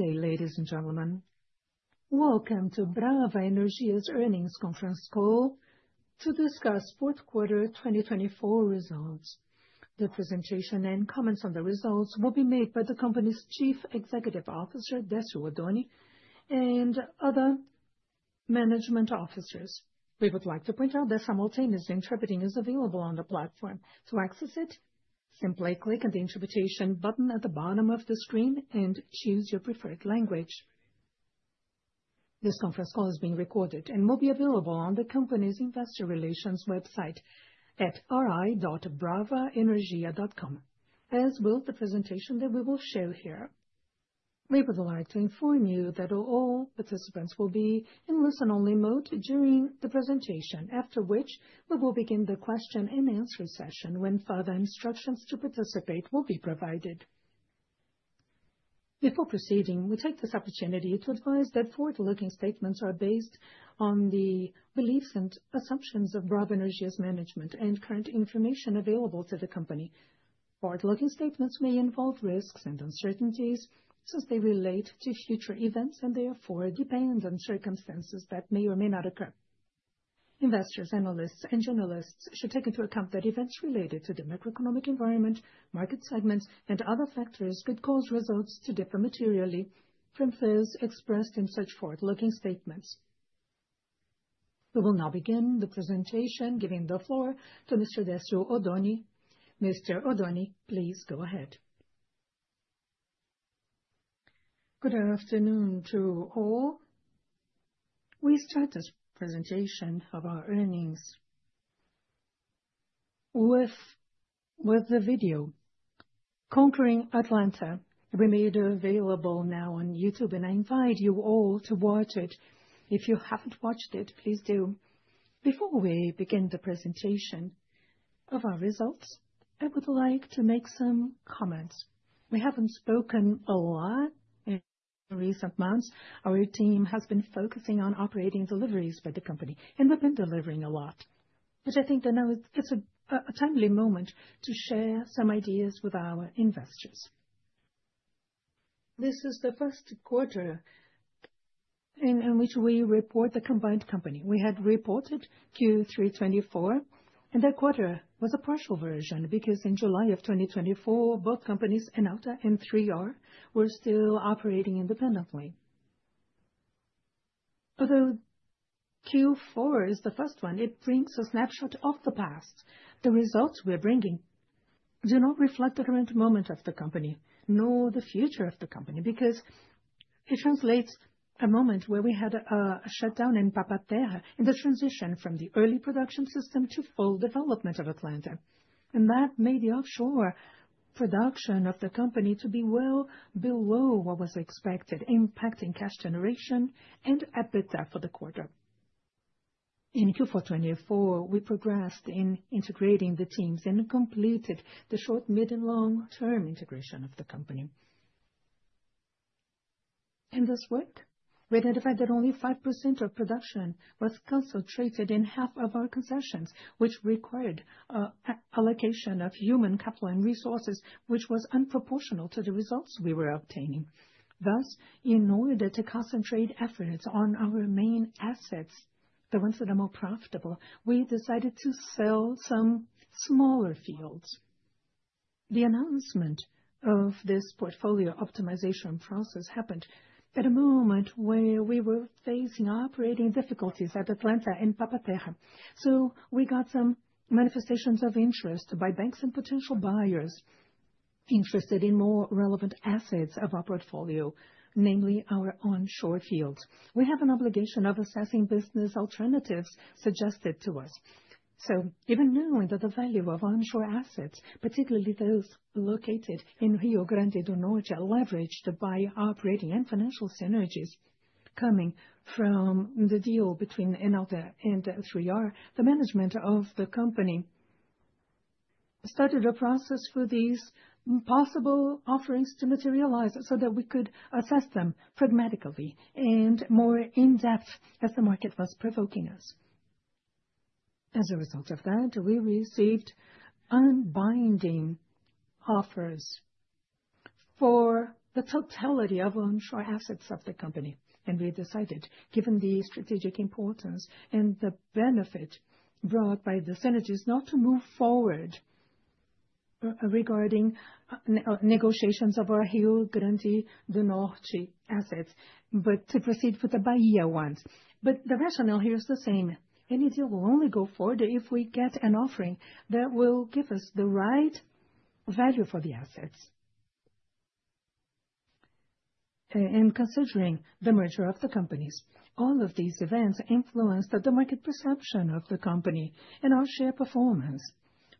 Good day, ladies and gentlemen. Welcome to Brava Energia's earnings conference call to discuss the fourth quarter 2024 results. The presentation and comments on the results will be made by the company's Chief Executive Officer, Décio Oddone, and other management officers. We would like to point out that simultaneous interpreting is available on the platform. To access it, simply click on the interpretation button at the bottom of the screen and choose your preferred language. This conference call is being recorded and will be available on the company's investor relations website at ri.bravaenergia.com, as will the presentation that we will share here. We would like to inform you that all participants will be in listen-only mode during the presentation, after which we will begin the question-and-answer session when further instructions to participate will be provided. Before proceeding, we take this opportunity to advise that forward-looking statements are based on the beliefs and assumptions of Brava Energia's management and current information available to the company. Forward-looking statements may involve risks and uncertainties since they relate to future events and therefore depend on circumstances that may or may not occur. Investors, analysts, and journalists should take into account that events related to the macroeconomic environment, market segments, and other factors could cause results to differ materially from those expressed in such forward-looking statements. We will now begin the presentation, giving the floor to Mr. Décio Oddone. Mr. Oddone, please go ahead. Good afternoon to all. We start this presentation of our earnings with the video "Conquering Atlanta." We made it available now on YouTube, and I invite you all to watch it. If you have not watched it, please do. Before we begin the presentation of our results, I would like to make some comments. We have not spoken a lot in recent months. Our team has been focusing on operating deliveries for the company, and we have been delivering a lot, which I think now is a timely moment to share some ideas with our investors. This is the first quarter in which we report the combined company. We had reported Q3 2024, and that quarter was a partial version because in July of 2024, both companies, Enauta and 3R, were still operating independently. Although Q4 is the first one, it brings a snapshot of the past. The results we are bringing do not reflect the current moment of the company, nor the future of the company, because it translates a moment where we had a shutdown in Papa-Terra and the transition from the early production system to full development of Atlanta. That made the offshore production of the company to be well below what was expected, impacting cash generation and EBITDA for the quarter. In Q4 2024, we progressed in integrating the teams and completed the short, mid, and long-term integration of the company. In this work, we identified that only 5% of production was concentrated in half of our concessions, which required allocation of human capital and resources, which was unproportional to the results we were obtaining. Thus, in order to concentrate efforts on our main assets, the ones that are more profitable, we decided to sell some smaller fields. The announcement of this portfolio optimization process happened at a moment where we were facing operating difficulties at Atlanta and Papa-Terra. We got some manifestations of interest by banks and potential buyers interested in more relevant assets of our portfolio, namely our onshore fields. We have an obligation of assessing business alternatives suggested to us. Even knowing that the value of onshore assets, particularly those located in Rio Grande do Norte, leveraged by operating and financial synergies coming from the deal between Enauta and 3R, the management of the company started a process for these possible offerings to materialize so that we could assess them pragmatically and more in depth as the market was provoking us. As a result of that, we received unbinding offers for the totality of onshore assets of the company. We decided, given the strategic importance and the benefit brought by the synergies, not to move forward regarding negotiations of our Rio Grande do Norte assets, but to proceed with the Bahia ones. The rationale here is the same. Any deal will only go forward if we get an offering that will give us the right value for the assets. Considering the merger of the companies, all of these events influenced the market perception of the company and our share performance.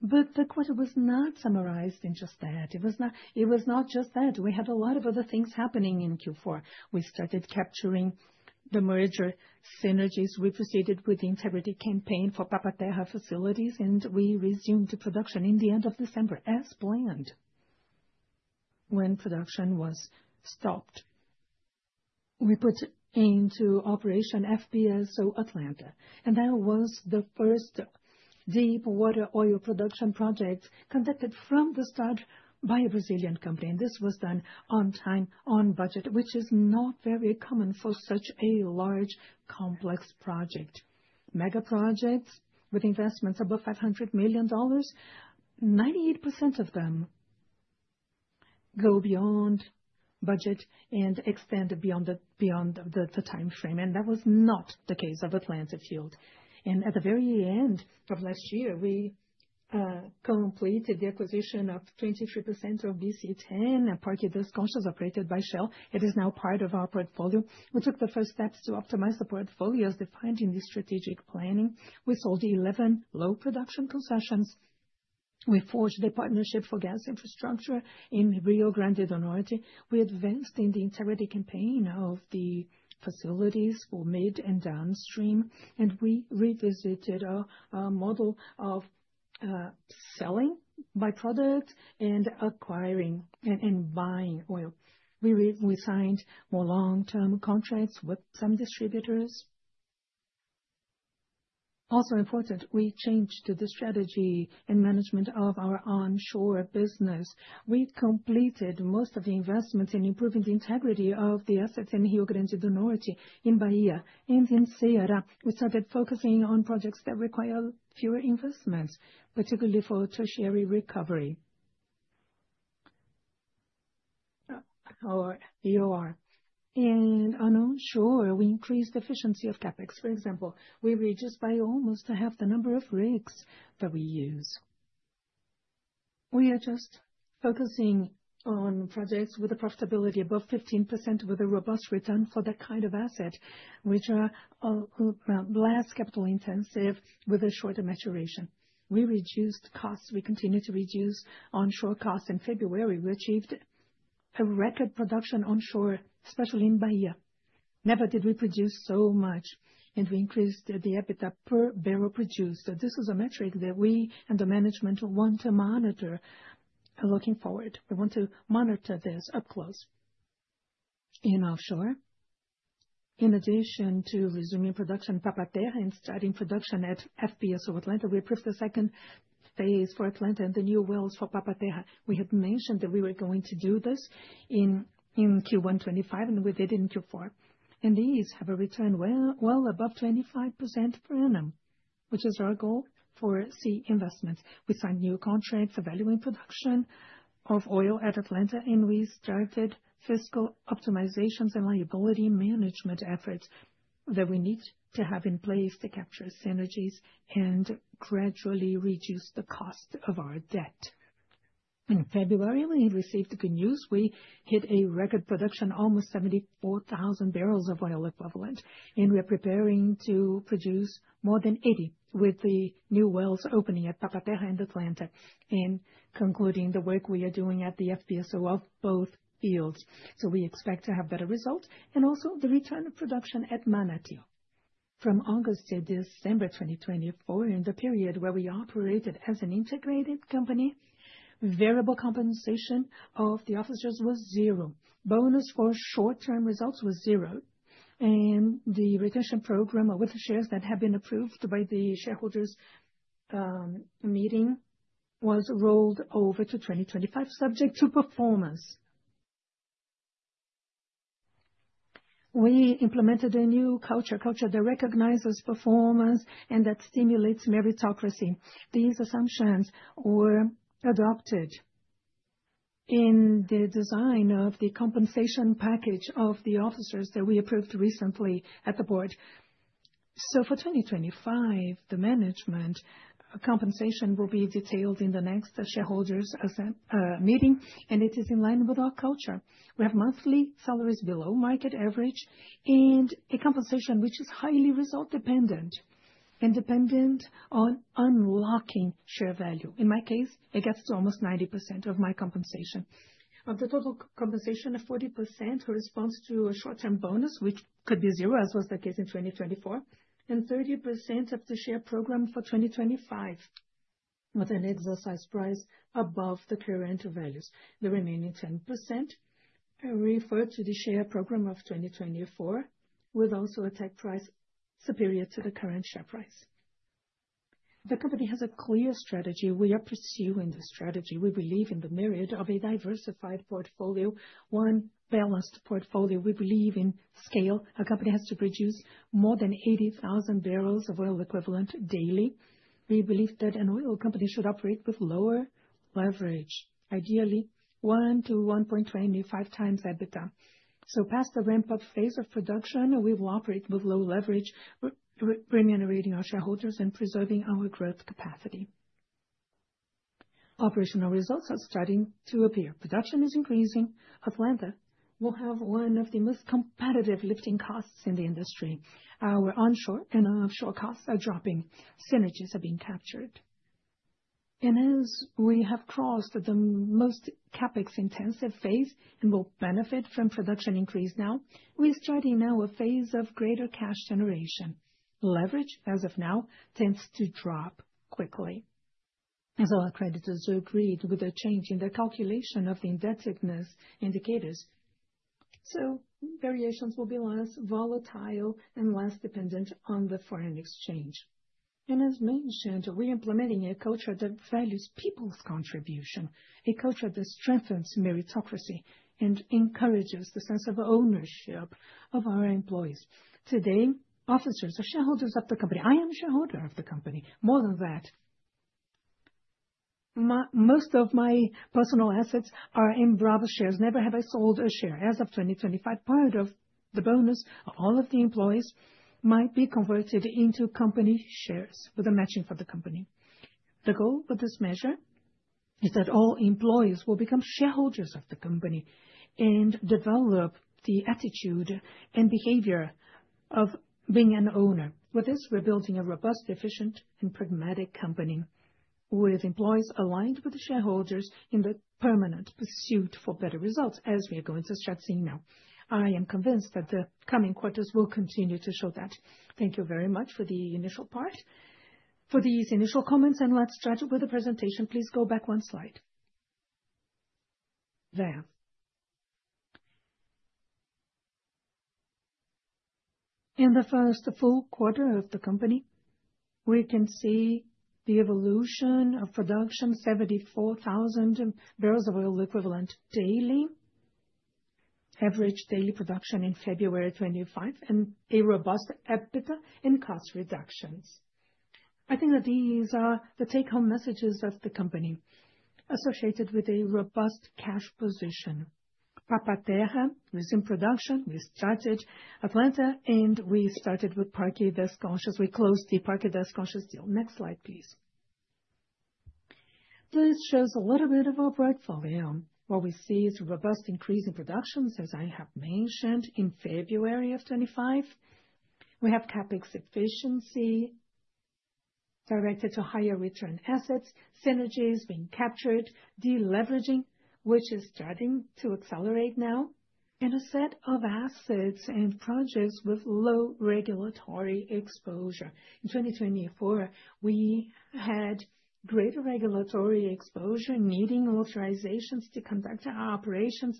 The quarter was not summarized in just that. It was not just that. We had a lot of other things happening in Q4. We started capturing the merger synergies. We proceeded with the integrity campaign for Papa-Terra facilities, and we resumed production in the end of December as planned when production was stopped. We put into operation FPSO Atlanta, and that was the first deepwater oil production project conducted from the start by a Brazilian company. This was done on time, on budget, which is not very common for such a large, complex project. Mega projects with investments above $500 million, 98% of them go beyond budget and extend beyond the timeframe. That was not the case of Atlanta Field. At the very end of last year, we completed the acquisition of 23% of BC-10, a Parque das Conchas operated by Shell. It is now part of our portfolio. We took the first steps to optimize the portfolios defined in the strategic planning. We sold 11 low production concessions. We forged a partnership for gas infrastructure in Rio Grande do Norte. We advanced in the integrity campaign of the facilities for mid and downstream, and we revisited our model of selling byproduct and acquiring and buying oil. We signed more long-term contracts with some distributors. Also important, we changed the strategy and management of our onshore business. We completed most of the investments in improving the integrity of the assets in Rio Grande do Norte, in Bahia, and in Sierra. We started focusing on projects that require fewer investments, particularly for tertiary recovery. On onshore, we increased the efficiency of CapEx. For example, we reduced by almost half the number of rigs that we use. We are just focusing on projects with a profitability above 15% with a robust return for that kind of asset, which are less capital intensive with a shorter maturation. We reduced costs. We continue to reduce onshore costs. In February, we achieved a record production onshore, especially in Bahia. Never did we produce so much, and we increased the EBITDA per barrel produced. This is a metric that we and the management want to monitor looking forward. We want to monitor this up close in offshore. In addition to resuming production in Papa-Terra and starting production at FPSO Atlanta, we approved the second phase for Atlanta and the new wells for Papa-Terra. We had mentioned that we were going to do this in Q1 2025, and we did in Q4. These have a return well above 25% per annum, which is our goal for sea investments. We signed new contracts evaluating production of oil at Atlanta, and we started fiscal optimizations and liability management efforts that we need to have in place to capture synergies and gradually reduce the cost of our debt. In February, we received good news. We hit a record production, almost 74,000 bbl of oil equivalent, and we are preparing to produce more than 80,000 with the new wells opening at Papa-Terra and Atlanta and concluding the work we are doing at the FPSO of both fields. We expect to have better results and also the return of production at Manati. From August to December 2024, in the period where we operated as an integrated company, variable compensation of the officers was zero. Bonus for short-term results was zero. The retention program with the shares that have been approved by the shareholders' meeting was rolled over to 2025, subject to performance. We implemented a new culture, a culture that recognizes performance and that stimulates meritocracy. These assumptions were adopted in the design of the compensation package of the officers that we approved recently at the board. For 2025, the management compensation will be detailed in the next shareholders' meeting, and it is in line with our culture. We have monthly salaries below market average and a compensation which is highly result-dependent and dependent on unlocking share value. In my case, it gets to almost 90% of my compensation. Of the total compensation, 40% corresponds to a short-term bonus, which could be zero, as was the case in 2024, and 30% of the share program for 2025 with an exercise price above the current values. The remaining 10% refer to the share program of 2024 with also a tech price superior to the current share price. The company has a clear strategy. We are pursuing the strategy. We believe in the merit of a diversified portfolio, one balanced portfolio. We believe in scale. A company has to produce more than 80,000 bbl of oil equivalent daily. We believe that an oil company should operate with lower leverage, ideally 1x- 1.25x EBITDA. Past the ramp-up phase of production, we will operate with low leverage, remunerating our shareholders and preserving our growth capacity. Operational results are starting to appear. Production is increasing. Atlanta will have one of the most competitive lifting costs in the industry. Our onshore and offshore costs are dropping. Synergies are being captured. As we have crossed the most CapEx-intensive phase and will benefit from production increase now, we are starting now a phase of greater cash generation. Leverage, as of now, tends to drop quickly. As our creditors agreed with a change in the calculation of the indebtedness indicators, variations will be less volatile and less dependent on the foreign exchange. As mentioned, we are implementing a culture that values people's contribution, a culture that strengthens meritocracy and encourages the sense of ownership of our employees. Today, officers are shareholders of the company. I am a shareholder of the company. More than that, most of my personal assets are in Brava shares. Never have I sold a share. As of 2025, part of the bonus of all of the employees might be converted into company shares with a matching for the company. The goal with this measure is that all employees will become shareholders of the company and develop the attitude and behavior of being an owner. With this, we're building a robust, efficient, and pragmatic company with employees aligned with the shareholders in the permanent pursuit for better results, as we are going to start seeing now. I am convinced that the coming quarters will continue to show that. Thank you very much for the initial part, for these initial comments, and let's start with the presentation. Please go back one slide. There. In the first full quarter of the company, we can see the evolution of production, 74,000 bbl of oil equivalent daily, average daily production in February 2025, and a robust EBITDA and cost reductions. I think that these are the take-home messages of the company associated with a robust cash position. Papa-Terra, we're in production, we started Atlanta, and we started with Parque das Conchas. We closed the Parque das Conchas deal. Next slide, please. This shows a little bit of our portfolio. What we see is a robust increase in productions, as I have mentioned, in February of 2025. We have CapEx efficiency directed to higher return assets, synergies being captured, deleveraging, which is starting to accelerate now, and a set of assets and projects with low regulatory exposure. In 2024, we had greater regulatory exposure, needing authorizations to conduct our operations.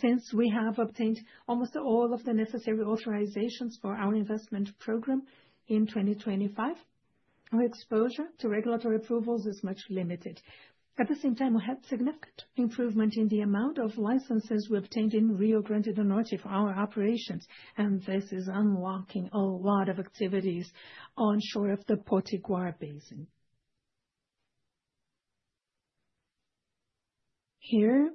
Since we have obtained almost all of the necessary authorizations for our investment program in 2025, our exposure to regulatory approvals is much limited. At the same time, we had significant improvement in the amount of licenses we obtained in Rio Grande do Norte for our operations. This is unlocking a lot of activities onshore of the Potiguar Basin. Here,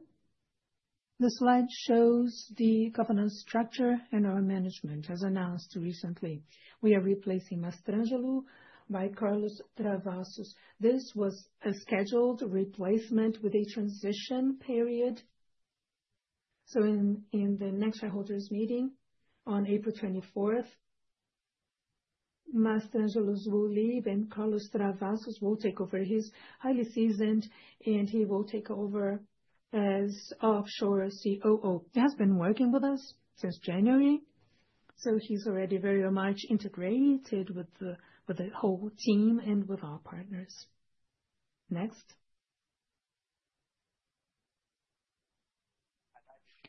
the slide shows the governance structure and our management as announced recently. We are replacing Mastrangelo by Carlos Travassos. This was a scheduled replacement with a transition period. In the next shareholders' meeting on April 24th, Mastrangelo will leave and Carlos Travassos will take over. He's highly seasoned and he will take over as Offshore COO. He has been working with us since January, so he's already very much integrated with the whole team and with our partners. Next.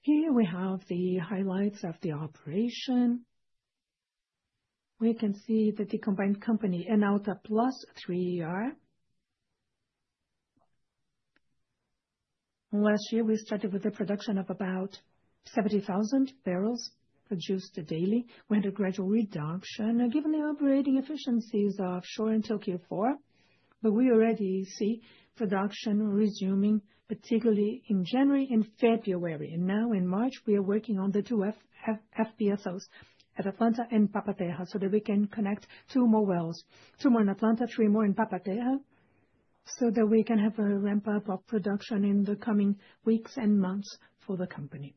Here we have the highlights of the operation. We can see that the combined company and now the +3. Last year, we started with the production of about 70,000 bbl produced daily. We had a gradual reduction given the operating efficiencies offshore until Q4, but we already see production resuming, particularly in January and February. Now in March, we are working on the two FPSOs at Atlanta and Papa-Terra so that we can connect two more wells, two more in Atlanta, three more in Papa-Terra, so that we can have a ramp-up of production in the coming weeks and months for the company.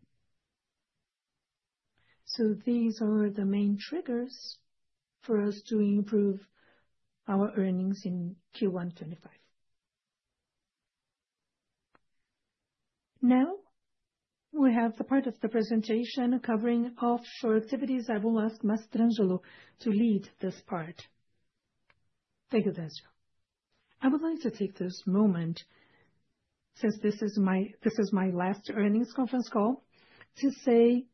These are the main triggers for us to improve our earnings in Q1 2025. Now we have the part of the presentation covering offshore activities. I will ask Mastrangelo to lead this part. Thank you, Emanuela Delucchi. I would like to take this moment, since this is my last earnings conference call, to say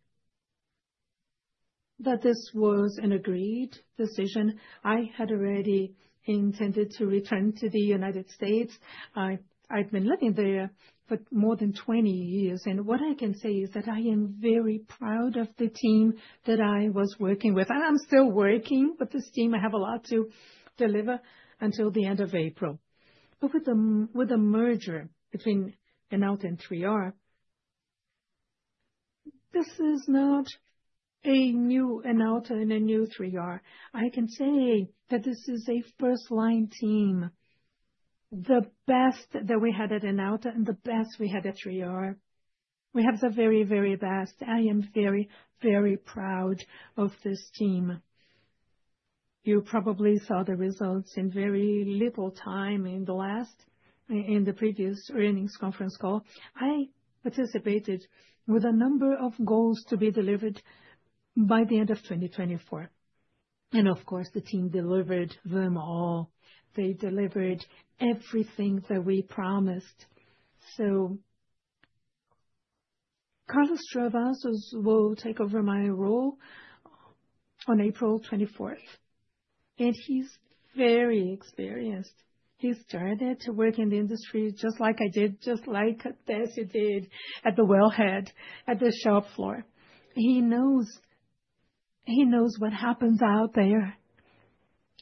that this was an agreed decision. I had already intended to return to the United States. I have been living there for more than 20 years. What I can say is that I am very proud of the team that I was working with. I'm still working with this team. I have a lot to deliver until the end of April. With the merger between Enauta and 3R, this is not a new Enauta and a new 3R. I can say that this is a first-line team, the best that we had at Enauta and the best we had at 3R. We have the very, very best. I am very, very proud of this team. You probably saw the results in very little time in the last, in the previous earnings conference call. I participated with a number of goals to be delivered by the end of 2024. Of course, the team delivered them all. They delivered everything that we promised. Carlos Travassos will take over my role on April 24th. He's very experienced. He started to work in the industry just like I did, just like Delucchi did at the wellhead, at the shop floor. He knows what happens out there.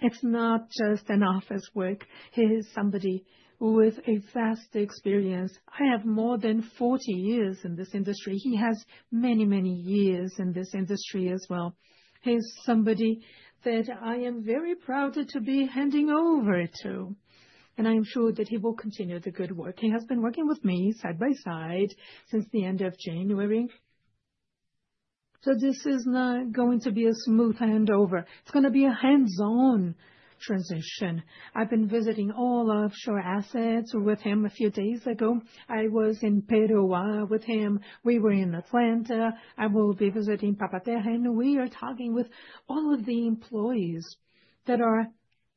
It's not just an office work. He's somebody with a vast experience. I have more than 40 years in this industry. He has many, many years in this industry as well. He's somebody that I am very proud to be handing over to. I am sure that he will continue the good work. He has been working with me side by side since the end of January. This is not going to be a smooth handover. It's going to be a hands-on transition. I've been visiting all offshore assets with him a few days ago. I was in Peruá with him. We were in Atlanta. I will be visiting Papa-Terra. We are talking with all of the employees that are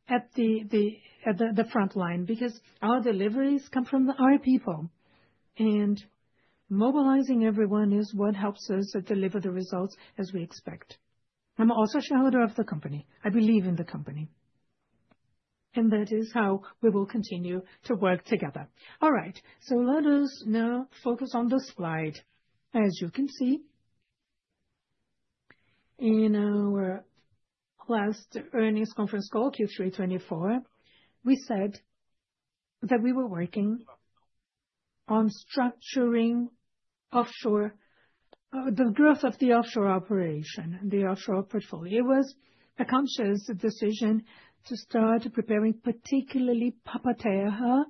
at the front line because our deliveries come from our people. Mobilizing everyone is what helps us deliver the results as we expect. I'm also a shareholder of the company. I believe in the company. That is how we will continue to work together. All right. Let us now focus on the slide. As you can see, in our last earnings conference call, Q3 2024, we said that we were working on structuring the growth of the offshore operation, the offshore portfolio. It was a conscious decision to start preparing particularly Papa-Terra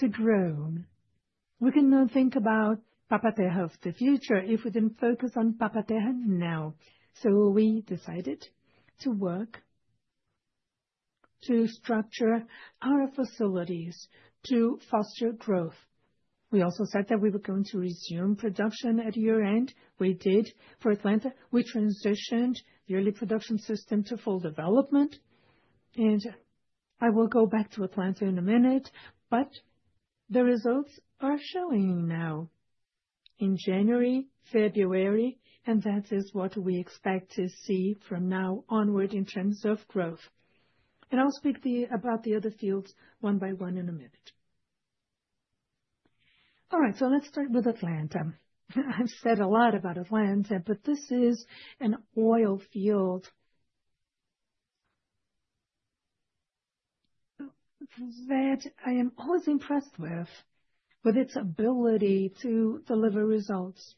to grow. We can think about Papa-Terra of the future if we did not focus on Papa-Terra now. We decided to work to structure our facilities to foster growth. We also said that we were going to resume production at year-end. We did for Atlanta. We transitioned the early production system to full development. I will go back to Atlanta in a minute, but the results are showing now in January, February, and that is what we expect to see from now onward in terms of growth. I will speak about the other fields one by one in a minute. All right. Let's start with Atlanta. I've said a lot about Atlanta, but this is an oil field that I am always impressed with, with its ability to deliver results.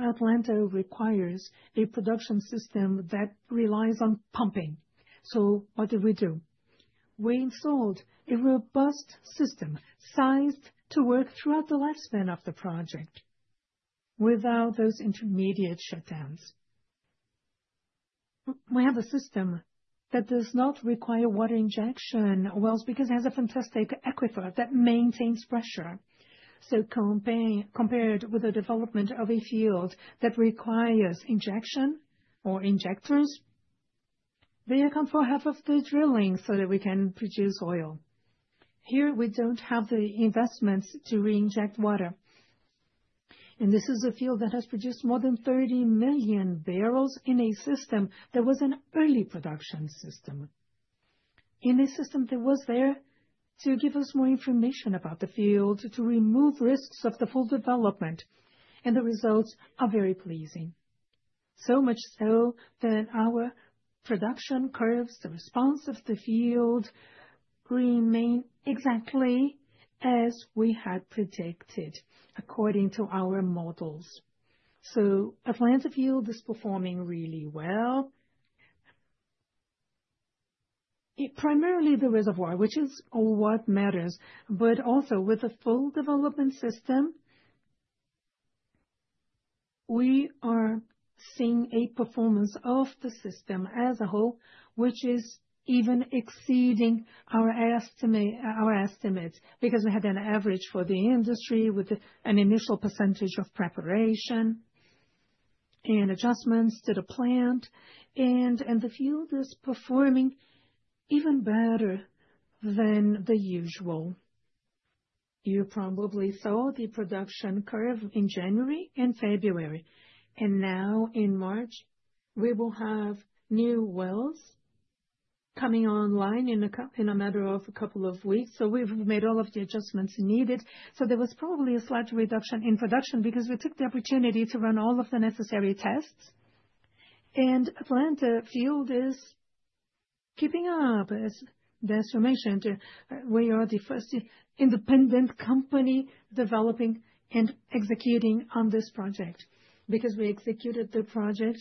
Atlanta requires a production system that relies on pumping. What did we do? We installed a robust system sized to work throughout the lifespan of the project without those intermediate shutdowns. We have a system that does not require water injection wells because it has a fantastic aquifer that maintains pressure. Compared with the development of a field that requires injection or injectors, they account for half of the drilling so that we can produce oil. Here, we do not have the investments to re-inject water. This is a field that has produced more than 30 million bbl in a system that was an early production system. It was there to give us more information about the field, to remove risks of the full development. The results are very pleasing. Our production curves, the response of the field, remain exactly as we had predicted according to our models. Atlanta Field is performing really well. Primarily the reservoir, which is what matters, but also with the full development system, we are seeing a performance of the system as a whole, which is even exceeding our estimates because we had an average for the industry with an initial percentage of preparation and adjustments to the plant. The field is performing even better than the usual. You probably saw the production curve in January and February. Now in March, we will have new wells coming online in a matter of a couple of weeks. We have made all of the adjustments needed. There was probably a slight reduction in production because we took the opportunity to run all of the necessary tests. Atlanta Field is keeping up, as Décio mentioned. We are the first independent company developing and executing on this project because we executed the project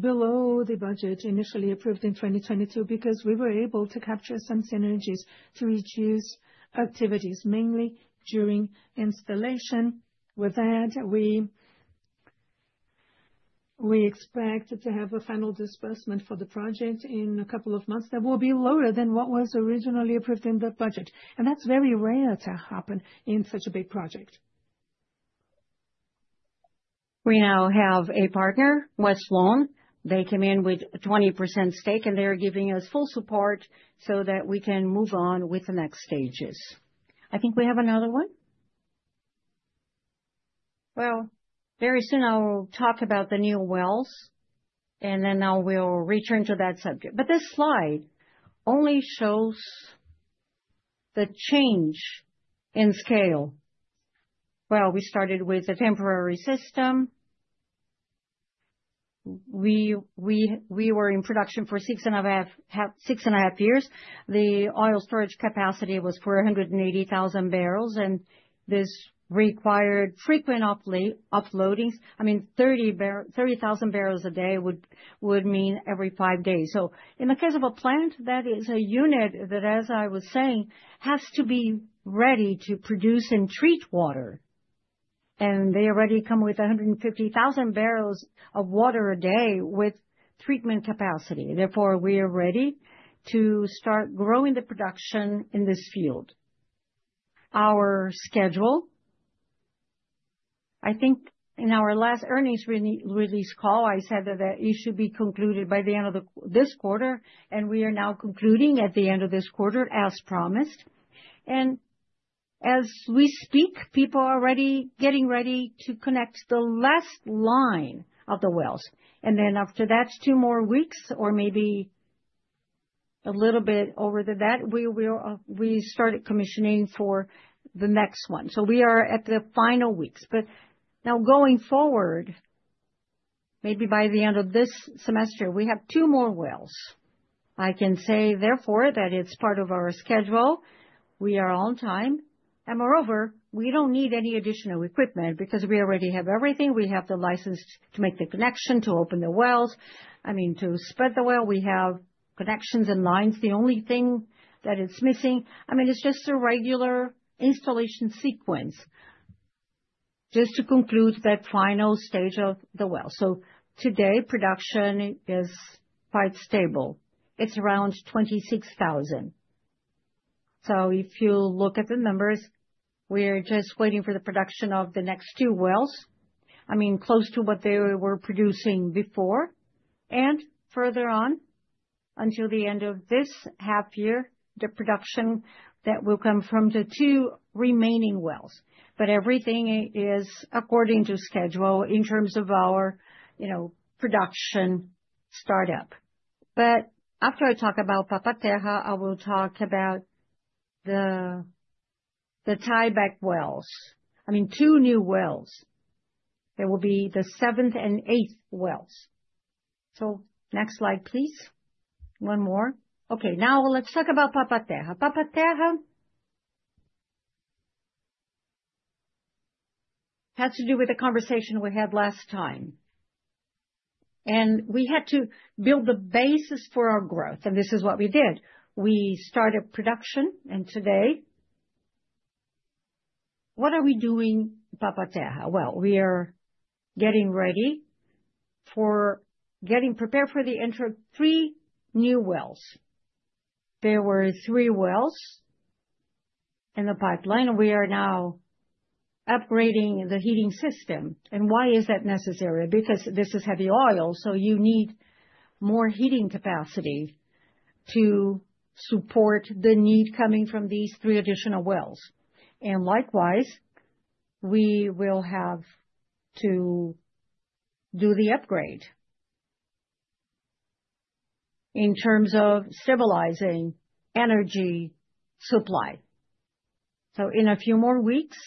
below the budget initially approved in 2022 because we were able to capture some synergies to reduce activities, mainly during installation. With that, we expect to have a final disbursement for the project in a couple of months that will be lower than what was originally approved in the budget. That is very rare to happen in such a big project. We now have a partner, Westlake. They came in with 20% stake, and they are giving us full support so that we can move on with the next stages. I think we have another one. Very soon, I will talk about the new wells, and then I will return to that subject. This slide only shows the change in scale. We started with a temporary system. We were in production for six and a half years. The oil storage capacity was 480,000 bbl, and this required frequent uploadings. I mean, 30,000 bbl a day would mean every five days. In the case of a plant, that is a unit that, as I was saying, has to be ready to produce and treat water. They already come with 150,000 bbl of water a day with treatment capacity. Therefore, we are ready to start growing the production in this field. Our schedule, I think in our last earnings release call, I said that it should be concluded by the end of this quarter, and we are now concluding at the end of this quarter as promised. As we speak, people are already getting ready to connect the last line of the wells. After that, two more weeks or maybe a little bit over that, we started commissioning for the next one. We are at the final weeks. Going forward, maybe by the end of this semester, we have two more wells. I can say therefore that it's part of our schedule. We are on time. Moreover, we do not need any additional equipment because we already have everything. We have the license to make the connection, to open the wells, I mean, to spread the well. We have connections and lines. The only thing that is missing, I mean, it's just a regular installation sequence just to conclude that final stage of the well. Today, production is quite stable. It's around 26,000. If you look at the numbers, we're just waiting for the production of the next two wells, I mean, close to what they were producing before. Further on, until the end of this half year, the production that will come from the two remaining wells. Everything is according to schedule in terms of our production startup. After I talk about Papa-Terra, I will talk about the tieback wells. I mean, two new wells. There will be the seventh and eighth wells. Next slide, please. One more. Okay. Now let's talk about Papa-Terra. Papa-Terra has to do with the conversation we had last time. We had to build the basis for our growth. This is what we did. We started production. Today, what are we doing in Papa-Terra? We are getting ready for getting prepared for the entry of three new wells. There were three wells in the pipeline. We are now upgrading the heating system. Why is that necessary? Because this is heavy oil. You need more heating capacity to support the need coming from these three additional wells. Likewise, we will have to do the upgrade in terms of stabilizing energy supply. In a few more weeks,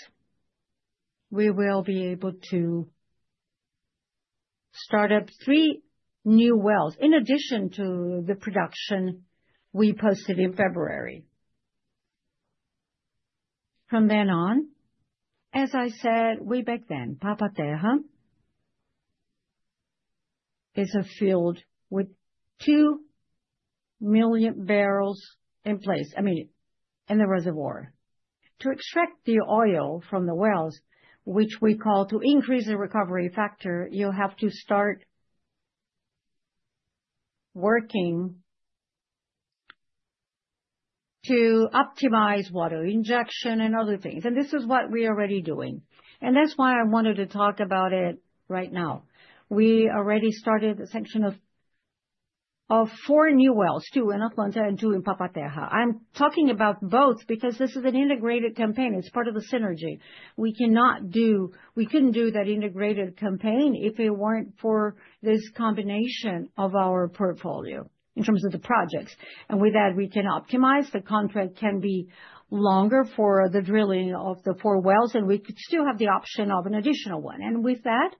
we will be able to start up three new wells in addition to the production we posted in February. From then on, as I said way back then, Papa-Terra is a field with 2 million bbl in place, I mean, in the reservoir. To extract the oil from the wells, which we call to increase the recovery factor, you have to start working to optimize water injection and other things. This is what we are already doing. That is why I wanted to talk about it right now. We already started the section of four new wells, two in Atlanta and two in Papa-Terra. I am talking about both because this is an integrated campaign. It is part of the synergy. We could not do that integrated campaign if it were not for this combination of our portfolio in terms of the projects. With that, we can optimize. The contract can be longer for the drilling of the four wells, and we could still have the option of an additional one. With that,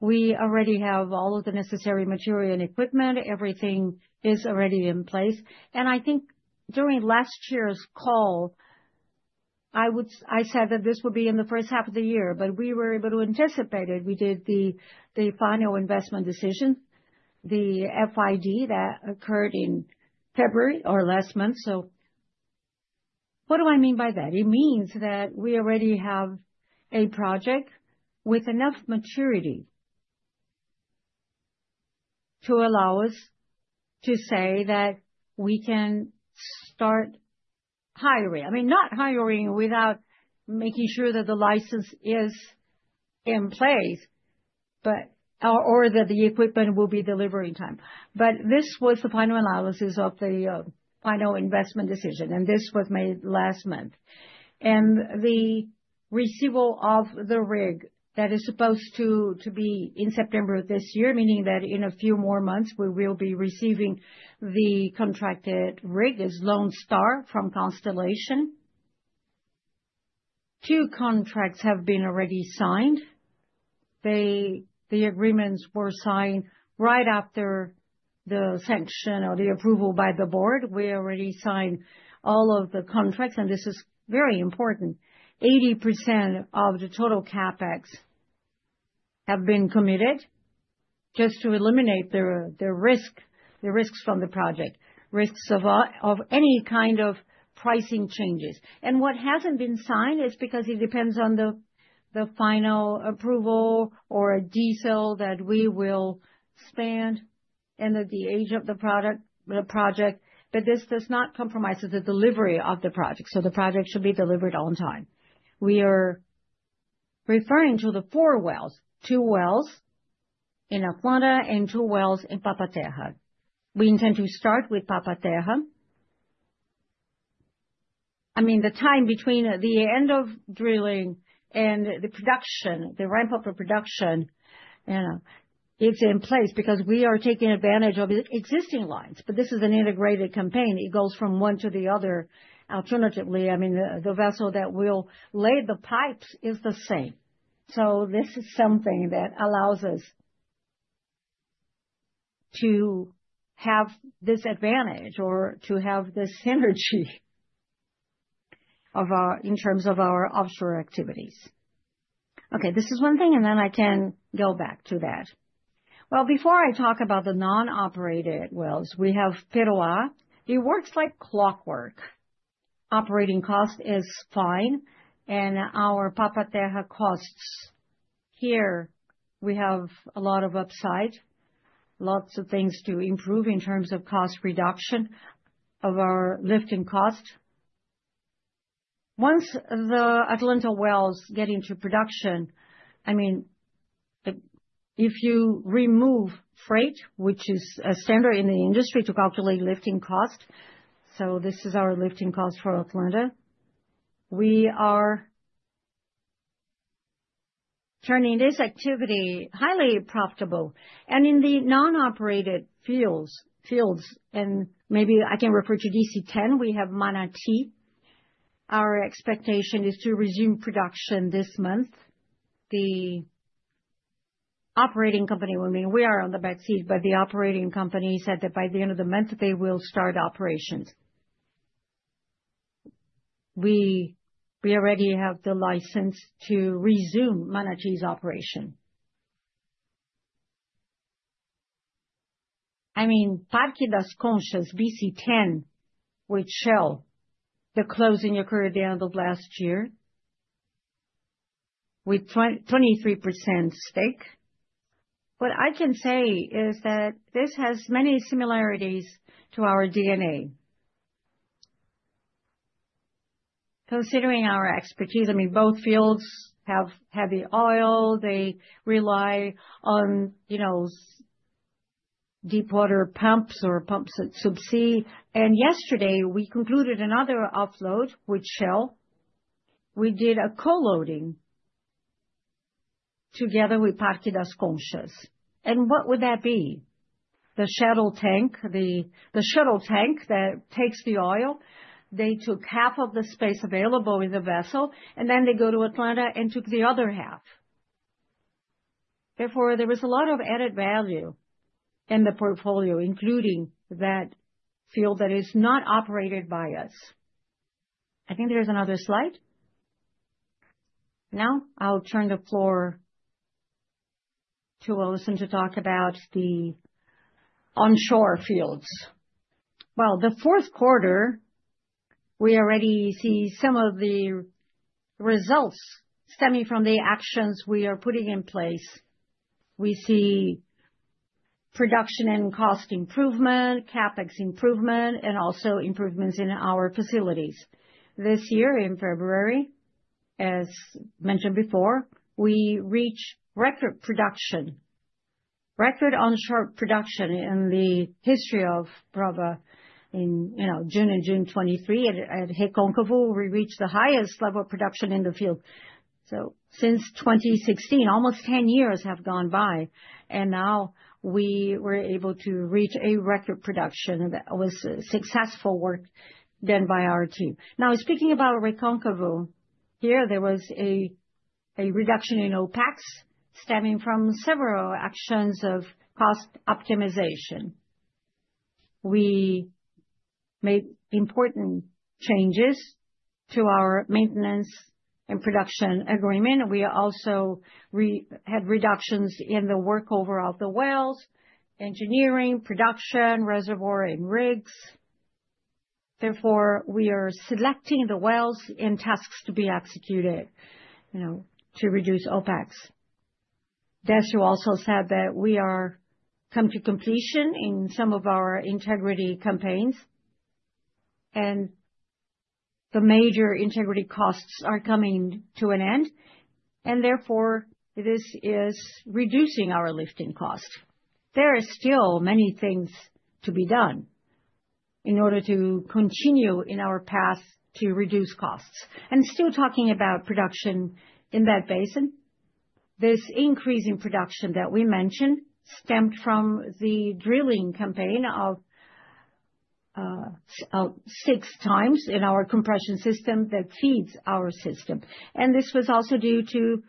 we already have all of the necessary material and equipment. Everything is already in place. I think during last year's call, I said that this would be in the first half of the year, but we were able to anticipate it. We did the final investment decision, the FID that occurred in February or last month. What do I mean by that? It means that we already have a project with enough maturity to allow us to say that we can start hiring. I mean, not hiring without making sure that the license is in place or that the equipment will be delivered in time. This was the final analysis of the final investment decision, and this was made last month. The receival of the rig that is supposed to be in September of this year, meaning that in a few more months, we will be receiving the contracted rig, which is Lone Star from Constellation. Two contracts have been already signed. The agreements were signed right after the sanction or the approval by the board. We already signed all of the contracts, and this is very important. 80% of the total CapEx have been committed just to eliminate the risks from the project, risks of any kind of pricing changes. What has not been signed is because it depends on the final approval or a detail that we will spend and the age of the project. This does not compromise the delivery of the project. The project should be delivered on time. We are referring to the four wells, two wells in Atlanta and two wells in Papa-Terra. We intend to start with Papa-Terra. I mean, the time between the end of drilling and the production, the ramp-up of production, it is in place because we are taking advantage of existing lines. This is an integrated campaign. It goes from one to the other alternatively. I mean, the vessel that will lay the pipes is the same. This is something that allows us to have this advantage or to have this synergy in terms of our offshore activities. This is one thing, and then I can go back to that. Before I talk about the non-operated wells, we have Peruá. It works like clockwork. Operating cost is fine. And our Papa-Terra costs here, we have a lot of upside, lots of things to improve in terms of cost reduction of our lifting cost. Once the Atlanta wells get into production, I mean, if you remove freight, which is a standard in the industry to calculate lifting cost, this is our lifting cost for Atlanta, we are turning this activity highly profitable. In the non-operated fields, and maybe I can refer to BC-10, we have Manati. Our expectation is to resume production this month. The operating company, I mean, we are on the back seat, but the operating company said that by the end of the month, they will start operations. We already have the license to resume Manati's operation. I mean, Parque das Conchas, BC-10, which Shell, the closing occurred at the end of last year with 23% stake. What I can say is that this has many similarities to our DNA. Considering our expertise, I mean, both fields have heavy oil. They rely on deepwater pumps or pumps that are subsea. Yesterday, we concluded another offload with Shell. We did a co-loading together with Parque das Conchas. What would that be? The shuttle tank, the shuttle tank that takes the oil. They took half of the space available in the vessel, and they go to Atlanta and took the other half. Therefore, there was a lot of added value in the portfolio, including that field that is not operated by us. I think there's another slide. Now I'll turn the floor to Alison to talk about the onshore fields. The fourth quarter, we already see some of the results stemming from the actions we are putting in place. We see production and cost improvement, CapEx improvement, and also improvements in our facilities. This year, in February, as mentioned before, we reached record production, record onshore production in the history of Brava in June and June 2023. At Recôncavo, we reached the highest level of production in the field. Since 2016, almost 10 years have gone by. Now we were able to reach a record production that was successful work done by our team. Now, speaking about Recôncavo, here, there was a reduction in OpEx stemming from several actions of cost optimization. We made important changes to our maintenance and production agreement. We also had reductions in the workover of the wells, engineering, production, reservoir, and rigs. Therefore, we are selecting the wells and tasks to be executed to reduce OpEx. Décio also said that we are coming to completion in some of our integrity campaigns. The major integrity costs are coming to an end. Therefore, this is reducing our lifting cost. There are still many things to be done in order to continue in our path to reduce costs. Still talking about production in that basin, this increase in production that we mentioned stemmed from the drilling campaign of six times in our compression system that feeds our system. This was also due to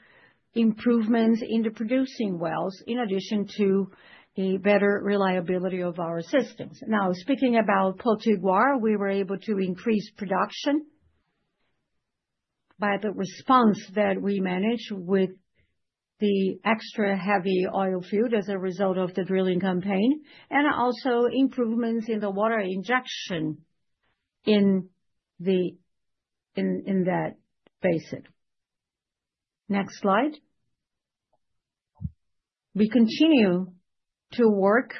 improvements in the producing wells in addition to a better reliability of our systems. Now, speaking about Potiguar, we were able to increase production by the response that we managed with the extra heavy oil field as a result of the drilling campaign and also improvements in the water injection in that basin. Next slide. We continue to work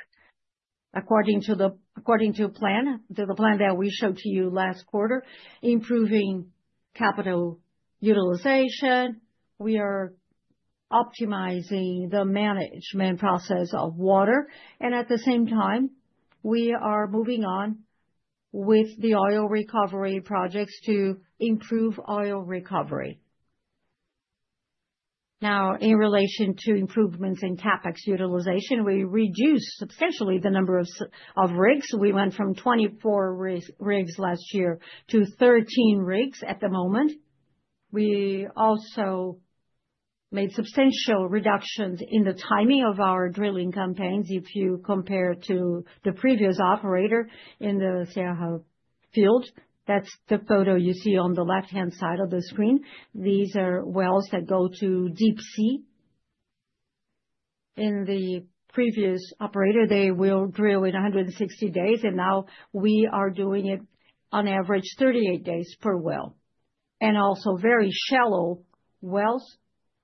according to the plan that we showed to you last quarter, improving capital utilization. We are optimizing the management process of water. At the same time, we are moving on with the oil recovery projects to improve oil recovery. Now, in relation to improvements in CapEx utilization, we reduced substantially the number of rigs. We went from 24 rigs last year to 13 rigs at the moment. We also made substantial reductions in the timing of our drilling campaigns. If you compare to the previous operator in the Sierra field, that's the photo you see on the left-hand side of the screen. These are wells that go to deep sea. In the previous operator, they would drill in 160 days. Now we are doing it on average 38 days per well. Also, very shallow wells,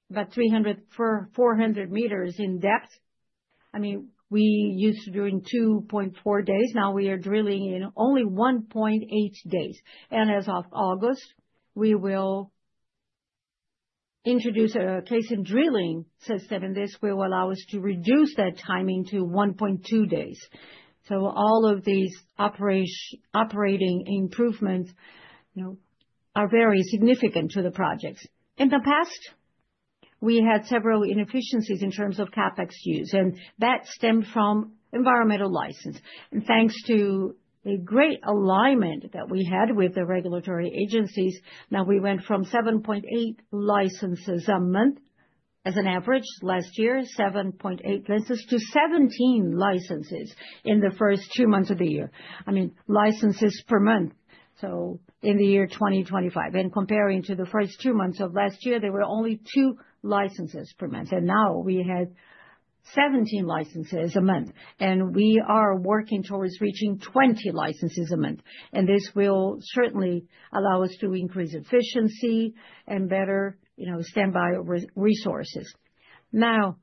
about 300 m-400 m in depth. I mean, we used to drill in 2.4 days. Now we are drilling in only 1.8 days. As of August, we will introduce a casing drilling system and this will allow us to reduce that timing to 1.2 days. All of these operating improvements are very significant to the projects. In the past, we had several inefficiencies in terms of CapEx use. That stemmed from environmental license. Thanks to a great alignment that we had with the regulatory agencies, now we went from 7.8 licenses a month as an average last year, 7.8 licenses-17 licenses in the first two months of the year. I mean, licenses per month. In the year 2025, and comparing to the first two months of last year, there were only two licenses per month. Now we have 17 licenses a month. We are working towards reaching 20 licenses a month. This will certainly allow us to increase efficiency and better standby resources. Now,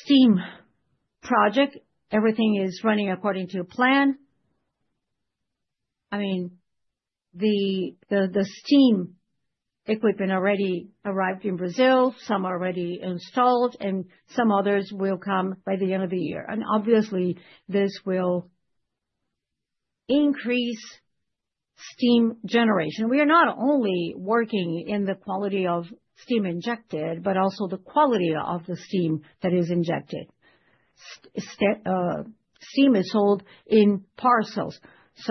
steam project, everything is running according to plan. I mean, the steam equipment already arrived in Brazil. Some are already installed, and some others will come by the end of the year. Obviously, this will increase steam generation. We are not only working in the quality of steam injected, but also the quality of the steam that is injected. Steam is sold in parcels.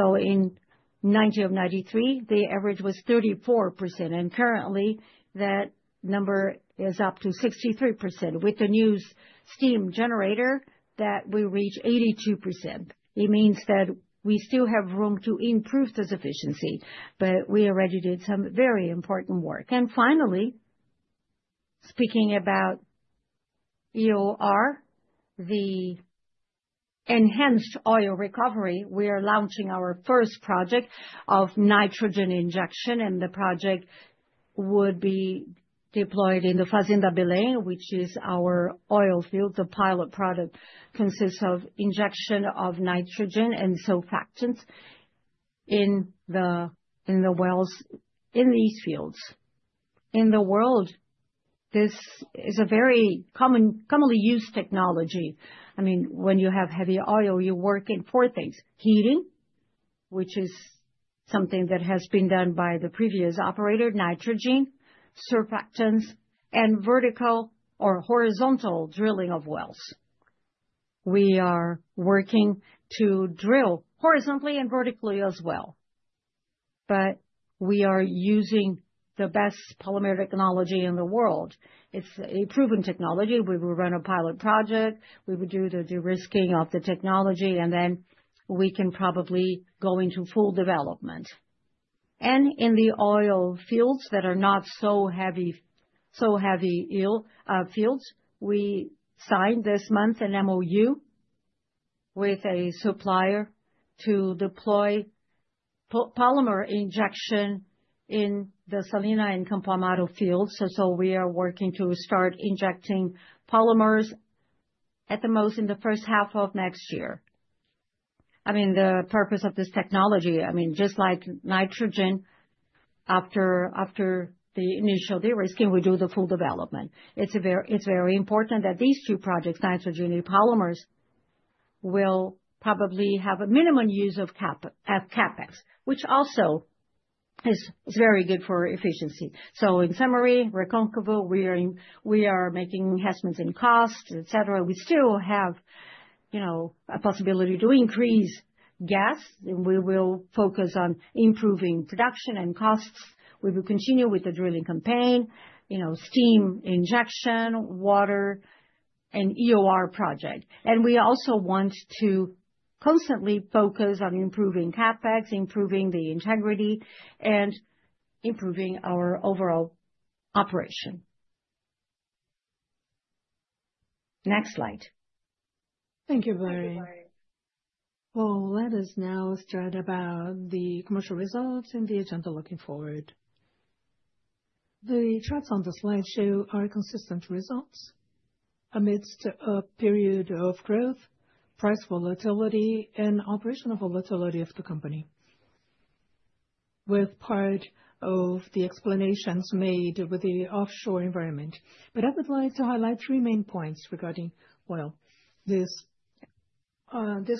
In 1993, the average was 34%. Currently, that number is up to 63%. With the new steam generator, that will reach 82%. It means that we still have room to improve the sufficiency, but we already did some very important work. Finally, speaking about EOR, the enhanced oil recovery, we are launching our first project of nitrogen injection. The project would be deployed in the Fazenda Belém, which is our oil field. The pilot product consists of injection of nitrogen and sulfactants in the wells in these fields. In the world, this is a very commonly used technology. I mean, when you have heavy oil, you work in four things: heating, which is something that has been done by the previous operator, nitrogen, surfactants, and vertical or horizontal drilling of wells. We are working to drill horizontally and vertically as well. We are using the best polymer technology in the world. It's a proven technology. We will run a pilot project. We will do the de-risking of the technology, and then we can probably go into full development. In the oil fields that are not so heavy fields, we signed this month an MOU with a supplier to deploy polymer injection in the Salina and Campo Amaro fields. We are working to start injecting polymers at the most in the first half of next year. I mean, the purpose of this technology, I mean, just like nitrogen, after the initial de-risking, we do the full development. It's very important that these two projects, nitrogen and polymers, will probably have a minimum use of CapEx, which also is very good for efficiency. In summary, Recôncavo, we are making enhancements in costs, etc. We still have a possibility to increase gas. We will focus on improving production and costs. We will continue with the drilling campaign, steam injection, water, and EOR project. We also want to constantly focus on improving CapEx, improving the integrity, and improving our overall operation. Next slide. Thank you, Barry. Let us now start about the commercial results and the agenda looking forward. The charts on the slideshow are consistent results amidst a period of growth, price volatility, and operational volatility of the company with part of the explanations made with the offshore environment. I would like to highlight three main points regarding oil. This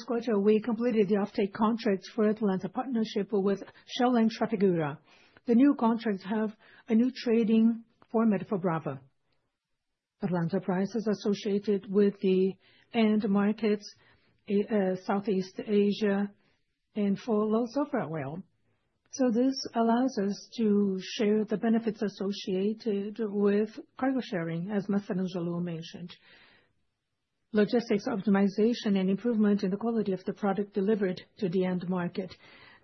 quarter, we completed the offtake contracts for Atlanta Partnership with Shell and Trafigura. The new contracts have a new trading format for Brava. Atlanta price is associated with the end markets, Southeast Asia, and for low sulfur oil. This allows us to share the benefits associated with cargo sharing, as Methanon Jalou mentioned. Logistics optimization and improvement in the quality of the product delivered to the end market.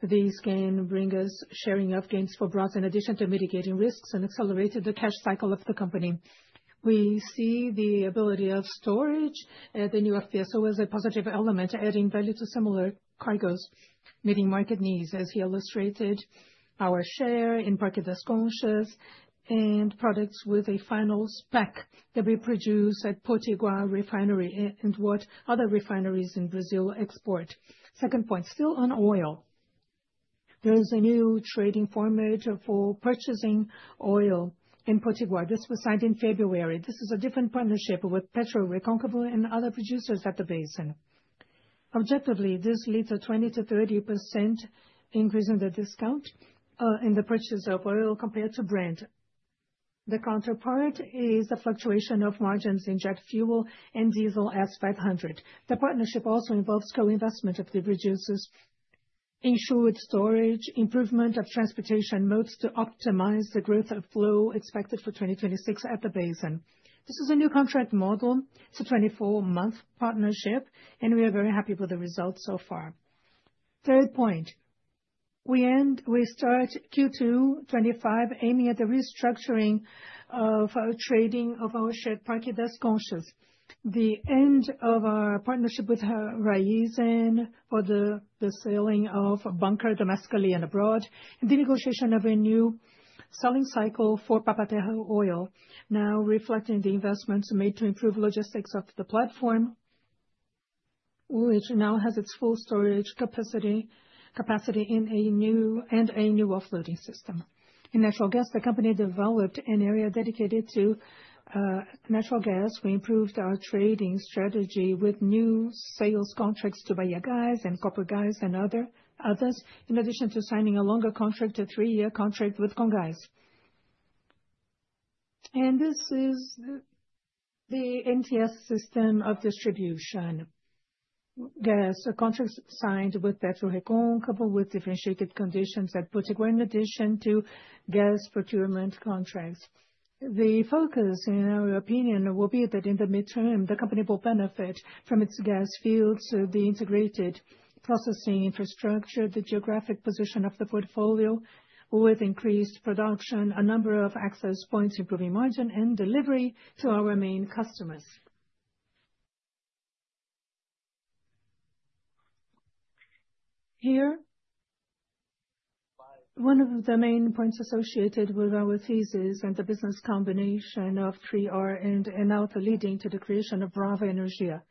These can bring us sharing of gains for Brava in addition to mitigating risks and accelerating the cash cycle of the company. We see the ability of storage at the new FPSO as a positive element, adding value to similar cargoes, meeting market needs, as he illustrated, our share in Parque das Conchas and products with a final spec that we produce at Potiguar Refinery and what other refineries in Brazil export. Second point, still on oil. There is a new trading format for purchasing oil in Potiguar. This was signed in February. This is a different partnership with PetroRecôncavo and other producers at the basin. Objectively, this leads to a 20%-30% increase in the discount in the purchase of oil compared to Brent. The counterpart is the fluctuation of margins in jet fuel and diesel S500. The partnership also involves co-investment of the producers, insured storage, improvement of transportation modes to optimize the growth of flow expected for 2026 at the basin. This is a new contract model. It's a 24-month partnership, and we are very happy with the results so far. Third point, we end, we start Q2 2025 aiming at the restructuring of trading of our ship, Paquita's Conchas. The end of our partnership with Raízen for the selling of bunker domestically and abroad, and the negotiation of a new selling cycle for Papa-Terra oil, now reflecting the investments made to improve logistics of the platform, which now has its full storage capacity and a new offloading system. In natural gas, the company developed an area dedicated to natural gas. We improved our trading strategy with new sales contracts to Bahiagás and corporate clients and others, in addition to signing a longer contract, a three-year contract with Congás. This is the NTS system of distribution. Gas contracts signed with PetroRecôncavo with differentiated conditions at Potiguar, in addition to gas procurement contracts. The focus, in our opinion, will be that in the midterm, the company will benefit from its gas fields, the integrated processing infrastructure, the geographic position of the portfolio with increased production, a number of access points, improving margin, and delivery to our main customers. Here, one of the main points associated with our thesis and the business combination of 3R and now leading to the creation of Brava Energia.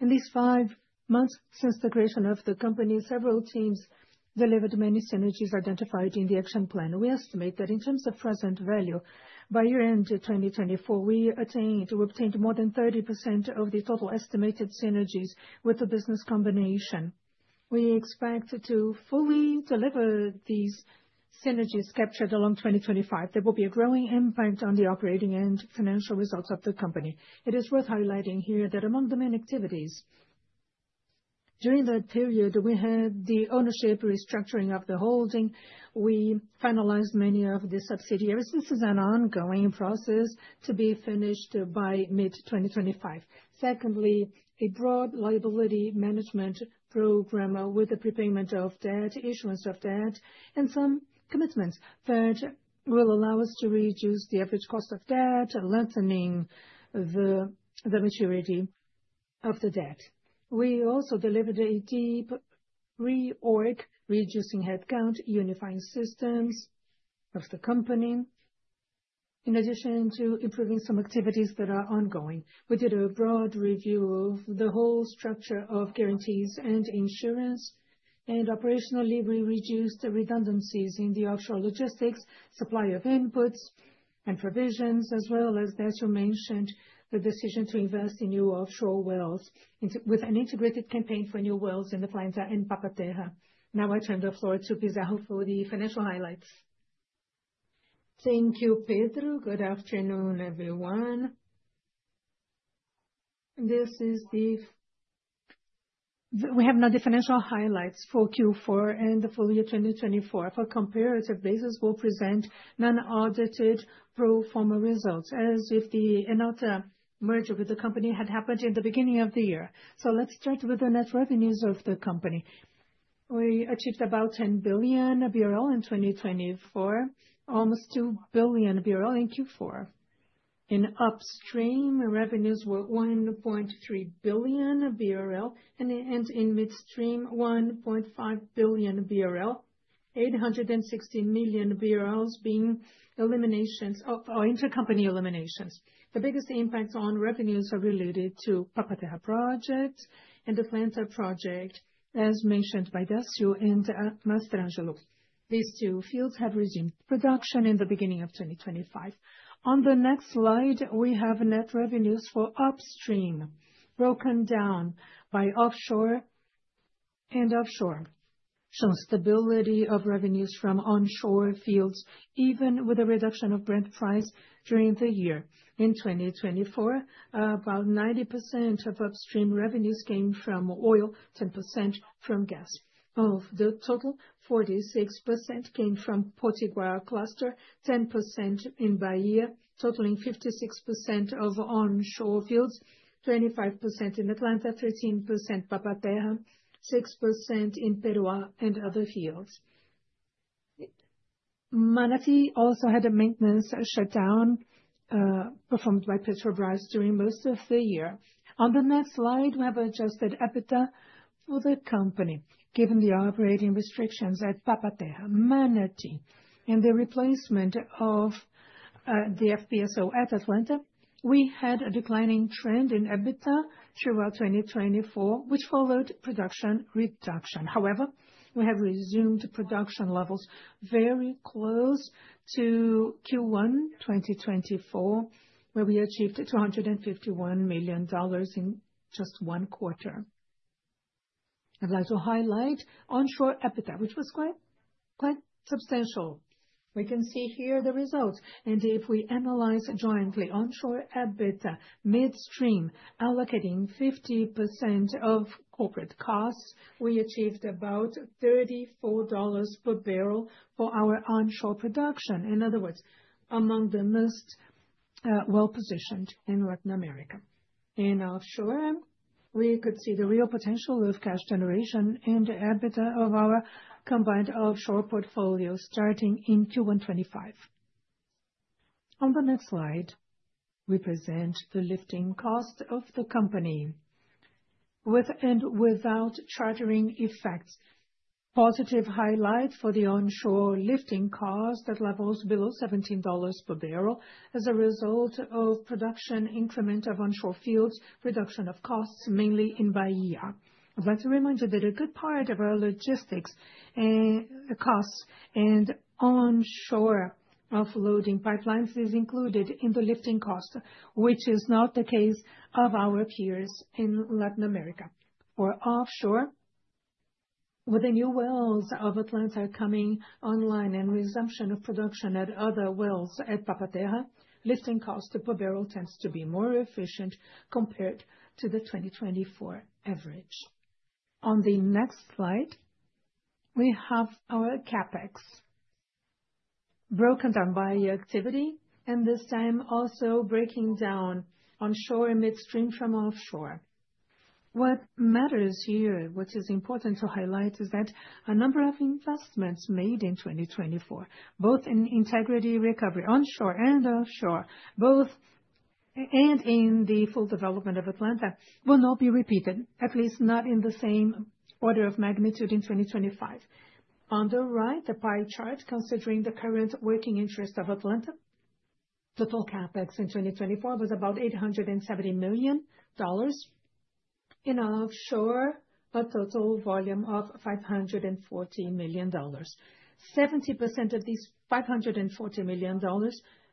In these five months since the creation of the company, several teams delivered many synergies identified in the action plan. We estimate that in terms of present value, by year-end 2024, we obtained more than 30% of the total estimated synergies with the business combination. We expect to fully deliver these synergies captured along 2025. There will be a growing impact on the operating and financial results of the company. It is worth highlighting here that among the main activities, during that period, we had the ownership restructuring of the holding. We finalized many of the subsidiaries. This is an ongoing process to be finished by mid-2025. Secondly, a broad liability management program with the prepayment of debt, issuance of debt, and some commitments that will allow us to reduce the average cost of debt, lengthening the maturity of the debt. We also delivered a deep reorg, reducing headcount, unifying systems of the company, in addition to improving some activities that are ongoing. We did a broad review of the whole structure of guarantees and insurance. Operationally, we reduced the redundancies in the offshore logistics, supply of inputs and provisions, as well as, as you mentioned, the decision to invest in new offshore wells with an integrated campaign for new wells in Atlanta and Papa-Terra. Now I turn the floor to Pizarro for the financial highlights. Thank you, Pedro. Good afternoon, everyone. We have now the financial highlights for Q4 and the full year 2024. For a comparative basis, we'll present non-audited pro forma results, as if the Enauta merger with the company had happened in the beginning of the year. Let's start with the net revenues of the company. We achieved about BRL 10 billion in 2024, almost BRL 2 billion in Q4. In upstream, revenues were 1.3 billion BRL, and in midstream, 1.5 billion BRL, 860 million BRL being eliminations or intercompany eliminations. The biggest impacts on revenues are related to Papa-Terra project and Atlanta project, as mentioned by Décio and Mastrangelo. These two fields have resumed production in the beginning of 2025. On the next slide, we have net revenues for upstream broken down by onshore and offshore. Shown stability of revenues from onshore fields, even with a reduction of Brent price during the year. In 2024, about 90% of upstream revenues came from oil, 10% from gas. Of the total, 46% came from Potiguar cluster, 10% in Bahia, totaling 56% of onshore fields, 25% in Atlanta, 13% Papa-Terra, 6% in Peruá and other fields. Manati also had a maintenance shutdown performed by Petrobras during most of the year. On the next slide, we have adjusted EBITDA for the company. Given the operating restrictions at Papa-Terra, Manati, and the replacement of the FPSO at Atlanta, we had a declining trend in EBITDA throughout 2024, which followed production reduction. However, we have resumed production levels very close to Q1 2024, where we achieved $251 million in just one quarter. I'd like to highlight onshore EBITDA, which was quite substantial. We can see here the results. If we analyze jointly onshore EBITDA midstream, allocating 50% of corporate costs, we achieved about $34 per barrel for our onshore production. In other words, among the most well-positioned in Latin America. In offshore, we could see the real potential of cash generation and the EBITDA of our combined offshore portfolio starting in Q1 2025. On the next slide, we present the lifting cost of the company with and without chartering effects. Positive highlight for the onshore lifting cost at levels below $17 per barrel as a result of production increment of onshore fields, reduction of costs mainly in Bahia. I'd like to remind you that a good part of our logistics and costs and onshore offloading pipelines is included in the lifting cost, which is not the case of our peers in Latin America. For offshore, with the new wells of Atlanta coming online and resumption of production at other wells at Papa-Terra, lifting cost per barrel tends to be more efficient compared to the 2024 average. On the next slide, we have our CapEx broken down by activity, and this time also breaking down onshore midstream from offshore. What matters here, what is important to highlight, is that a number of investments made in 2024, both in integrity recovery onshore and offshore, and in the full development of Atlanta, will not be repeated, at least not in the same order of magnitude in 2025. On the right, the pie chart considering the current working interest of Atlanta. Total CapEx in 2024 was about $870 million in offshore, a total volume of $540 million. 70% of these $540 million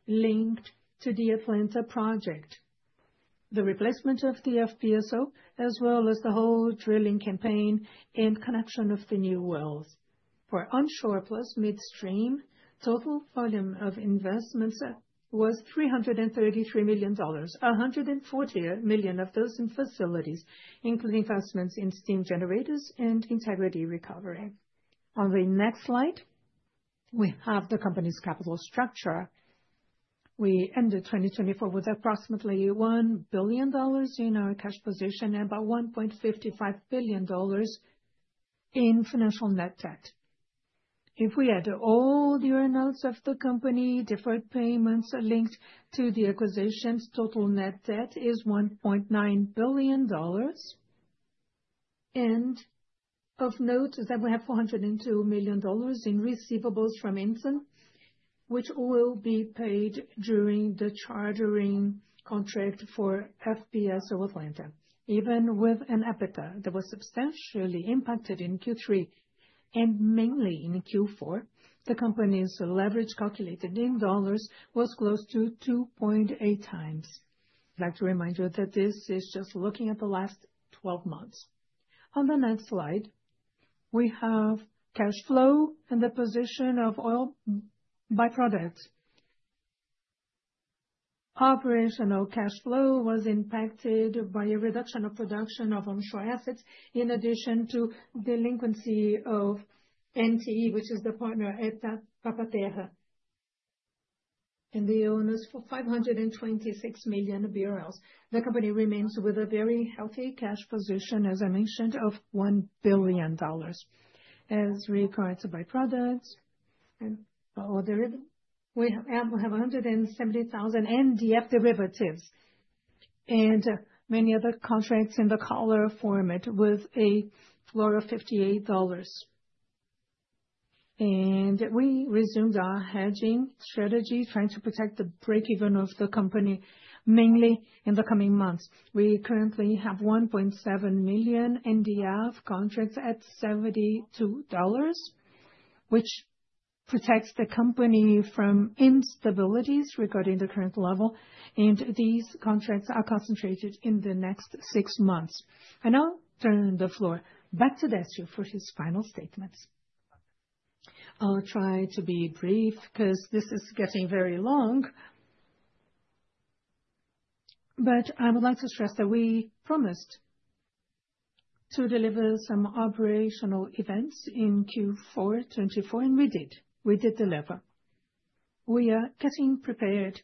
linked to the Atlanta project, the replacement of the FPSO, as well as the whole drilling campaign and connection of the new wells. For onshore plus midstream, total volume of investments was $333 million, $140 million of those in facilities, including investments in steam generators and integrity recovery. On the next slide, we have the company's capital structure. We ended 2024 with approximately $1 billion in our cash position and about $1.55 billion in financial net debt. If we add all the earnings of the company, deferred payments linked to the acquisitions, total net debt is $1.9 billion. Of note is that we have $402 million in receivables from Enson, which will be paid during the chartering contract for FPSO Atlanta. Even with an EBITDA that was substantially impacted in Q3 and mainly in Q4, the company's leverage calculated in dollars was close to 2.8x. I would like to remind you that this is just looking at the last 12 months. On the next slide, we have cash flow and the position of oil byproducts. Operational cash flow was impacted by a reduction of production of onshore assets, in addition to delinquency of NTE, which is the partner at Papa-Terra, and the owners for BRL 526 million. The company remains with a very healthy cash position, as I mentioned, of $1 billion. As required by products and other, we have $170,000 NDF derivatives and many other contracts in the collar format with a floor of $58. We resumed our hedging strategy, trying to protect the breakeven of the company mainly in the coming months. We currently have $1.7 million NDF contracts at $72, which protects the company from instabilities regarding the current level, and these contracts are concentrated in the next six months. I'll turn the floor back to Décio for his final statements. I'll try to be brief because this is getting very long, but I would like to stress that we promised to deliver some operational events in Q4 2024, and we did. We did deliver. We are getting prepared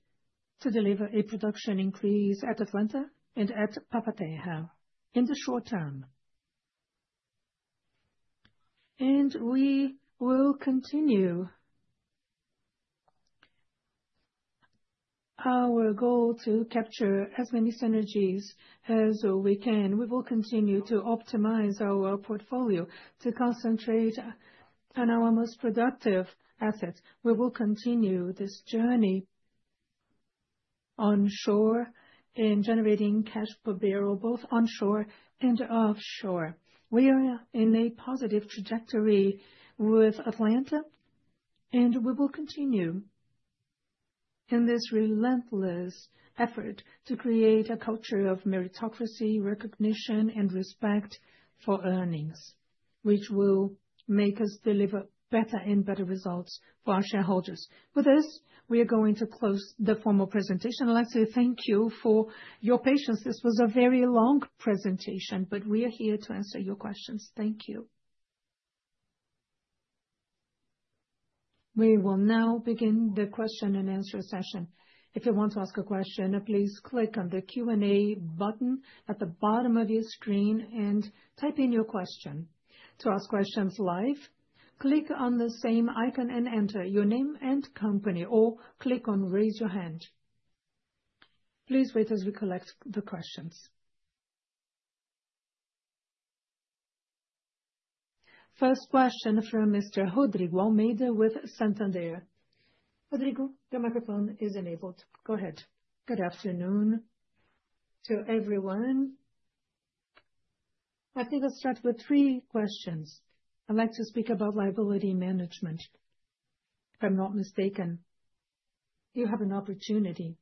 to deliver a production increase at Atlanta and at Papa-Terra in the short term. We will continue our goal to capture as many synergies as we can. We will continue to optimize our portfolio to concentrate on our most productive assets. We will continue this journey onshore and generating cash per barrel, both onshore and offshore. We are in a positive trajectory with Atlanta, and we will continue in this relentless effort to create a culture of meritocracy, recognition, and respect for earnings, which will make us deliver better and better results for our shareholders. With this, we are going to close the formal presentation. I'd like to thank you for your patience. This was a very long presentation, but we are here to answer your questions. Thank you. We will now begin the question and answer session. If you want to ask a question, please click on the Q&A button at the bottom of your screen and type in your question. To ask questions live, click on the same icon and enter your name and company, or click on Raise Your Hand. Please wait as we collect the questions. First question from Mr. Rodrigo Almeida with Santander. Rodrigo, your microphone is enabled. Go ahead. Good afternoon to everyone. I think I'll start with three questions. I'd like to speak about liability management. If I'm not mistaken, you have an opportunity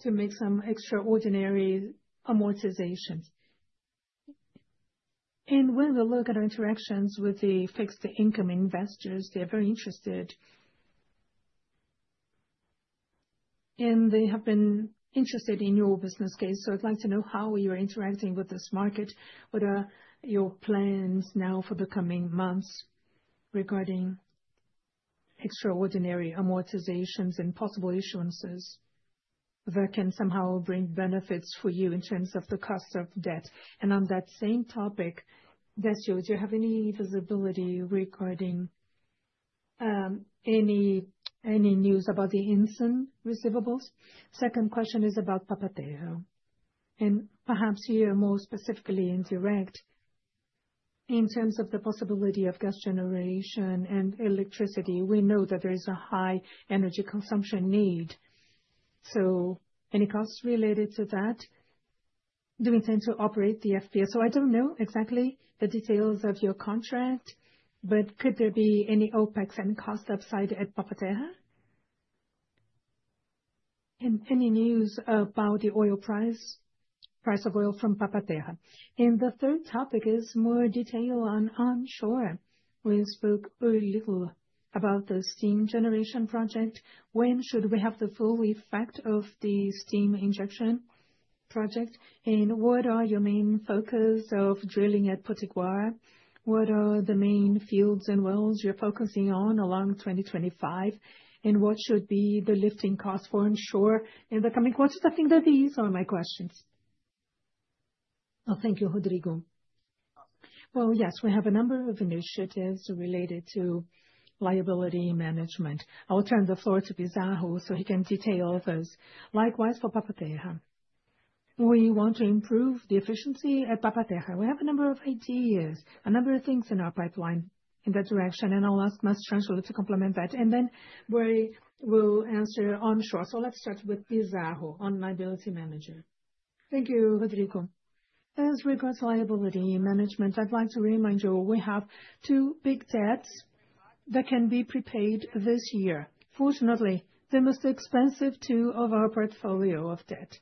to make some extraordinary amortizations. When we look at our interactions with the fixed income investors, they're very interested, and they have been interested in your business case. I'd like to know how you're interacting with this market, what are your plans now for the coming months regarding extraordinary amortizations and possible issuances that can somehow bring benefits for you in terms of the cost of debt. On that same topic, Décio, do you have any visibility regarding any news about the Enson receivables? Second question is about Papa-Terra. Perhaps you are more specifically indirect in terms of the possibility of gas generation and electricity. We know that there is a high energy consumption need. Any costs related to that? Do we intend to operate the FPSO? I don't know exactly the details of your contract, but could there be any OpEx and cost upside at Papa-Terra? Any news about the oil price, price of oil from Papa-Terra? The third topic is more detail on onshore. We spoke a little about the steam generation project. When should we have the full effect of the steam injection project? What are your main focus of drilling at Potiguar? What are the main fields and wells you're focusing on along 2025? What should be the lifting cost for onshore in the coming quarters? I think that these are my questions. Thank you, Rodrigo. Yes, we have a number of initiatives related to liability management. I will turn the floor to Pizarro so he can detail those. Likewise for Papa-Terra. We want to improve the efficiency at Papa-Terra. We have a number of ideas, a number of things in our pipeline in that direction, and I'll ask Mastrangelo to complement that. We will answer onshore. Let's start with Pizarro on liability management. Thank you, Rodrigo. As regards liability management, I'd like to remind you we have two big debts that can be prepaid this year. Fortunately, the most expensive two of our portfolio of debt,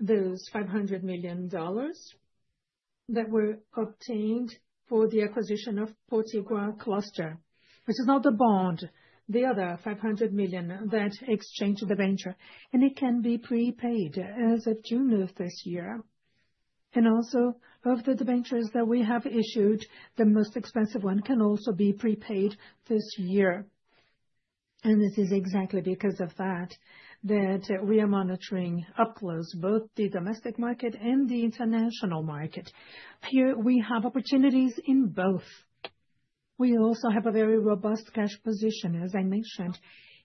those $500 million that were obtained for the acquisition of Potiguar cluster, which is not the bond, the other $500 million that exchanged the venture. It can be prepaid as of June of this year. Also, of the ventures that we have issued, the most expensive one can also be prepaid this year. This is exactly because of that we are monitoring up close, both the domestic market and the international market. Here we have opportunities in both. We also have a very robust cash position, as I mentioned,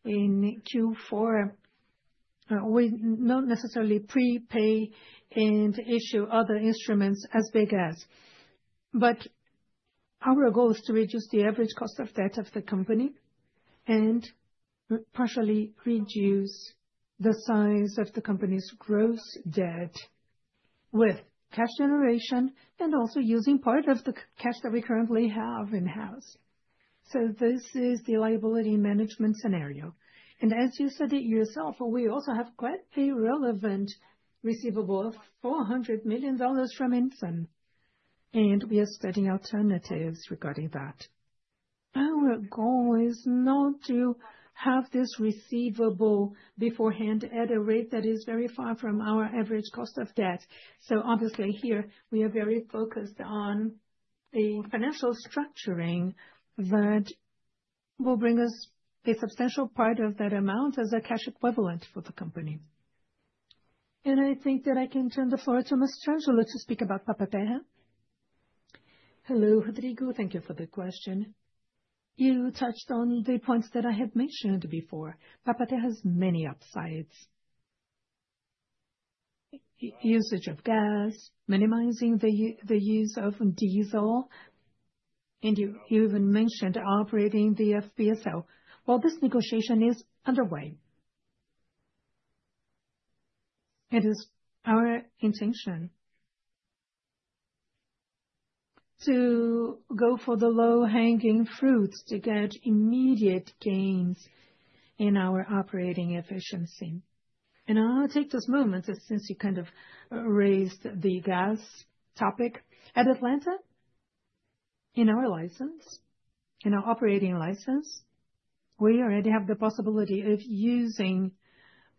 in Q4. We not necessarily prepay and issue other instruments as big as. Our goal is to reduce the average cost of debt of the company and partially reduce the size of the company's gross debt with cash generation and also using part of the cash that we currently have in-house. This is the liability management scenario. As you said it yourself, we also have quite a relevant receivable of $400 million from Enson. We are studying alternatives regarding that. Our goal is not to have this receivable beforehand at a rate that is very far from our average cost of debt. Obviously here we are very focused on the financial structuring that will bring us a substantial part of that amount as a cash equivalent for the company. I think that I can turn the floor to Mastrangelo to speak about Papa-Terra. Hello, Rodrigo. Thank you for the question. You touched on the points that I had mentioned before. Papa-Terra has many upsides: usage of gas, minimizing the use of diesel, and you even mentioned operating the FPSO. This negotiation is underway. It is our intention to go for the low-hanging fruits to get immediate gains in our operating efficiency. I'll take this moment since you kind of raised the gas topic. At Atlanta, in our license, in our operating license, we already have the possibility of using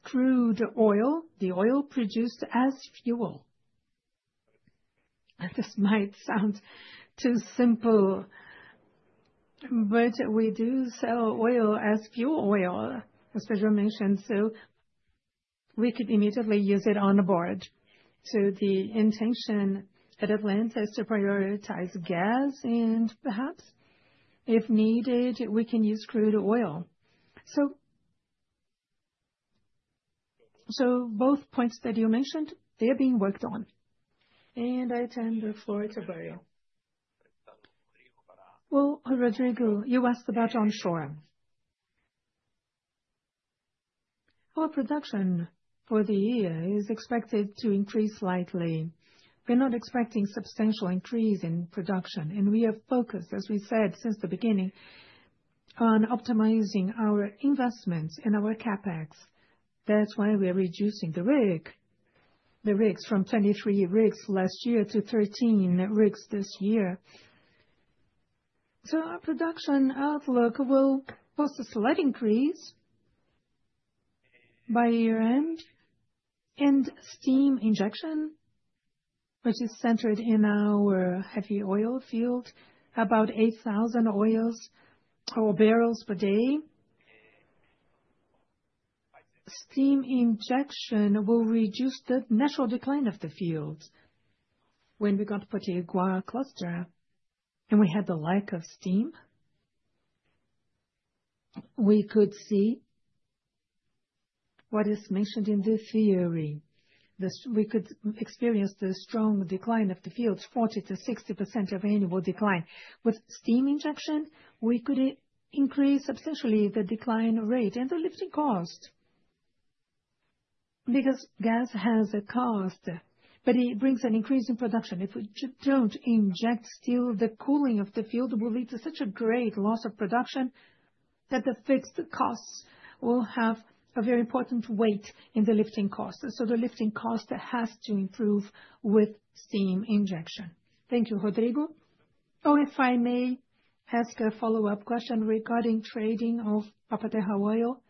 crude oil, the oil produced as fuel. This might sound too simple, but we do sell oil as fuel oil, as Pedro mentioned, so we could immediately use it on board. The intention at Atlanta is to prioritize gas, and perhaps if needed, we can use crude oil. Both points that you mentioned, they are being worked on. I turn the floor to Barrio. Rodrigo, you asked about onshore. Our production for the year is expected to increase slightly. We are not expecting a substantial increase in production. We have focused, as we said since the beginning, on optimizing our investments and our CapEx. That is why we are reducing the rigs from 23 rigs last year to 13 rigs this year. Our production outlook will post a slight increase by year-end. Steam injection, which is centered in our heavy oil field, is about 8,000 bbl per day. Steam injection will reduce the natural decline of the field. When we got Potiguar cluster and we had the lack of steam, we could see what is mentioned in the theory. We could experience the strong decline of the fields, 40%-60% of annual decline. With steam injection, we could increase substantially the decline rate and the lifting cost because gas has a cost, but it brings an increase in production. If we do not inject steam, the cooling of the field will lead to such a great loss of production that the fixed costs will have a very important weight in the lifting cost. The lifting cost has to improve with steam injection. Thank you, Rodrigo. Oh, if I may ask a follow-up question regarding trading of Papa-Terra oil.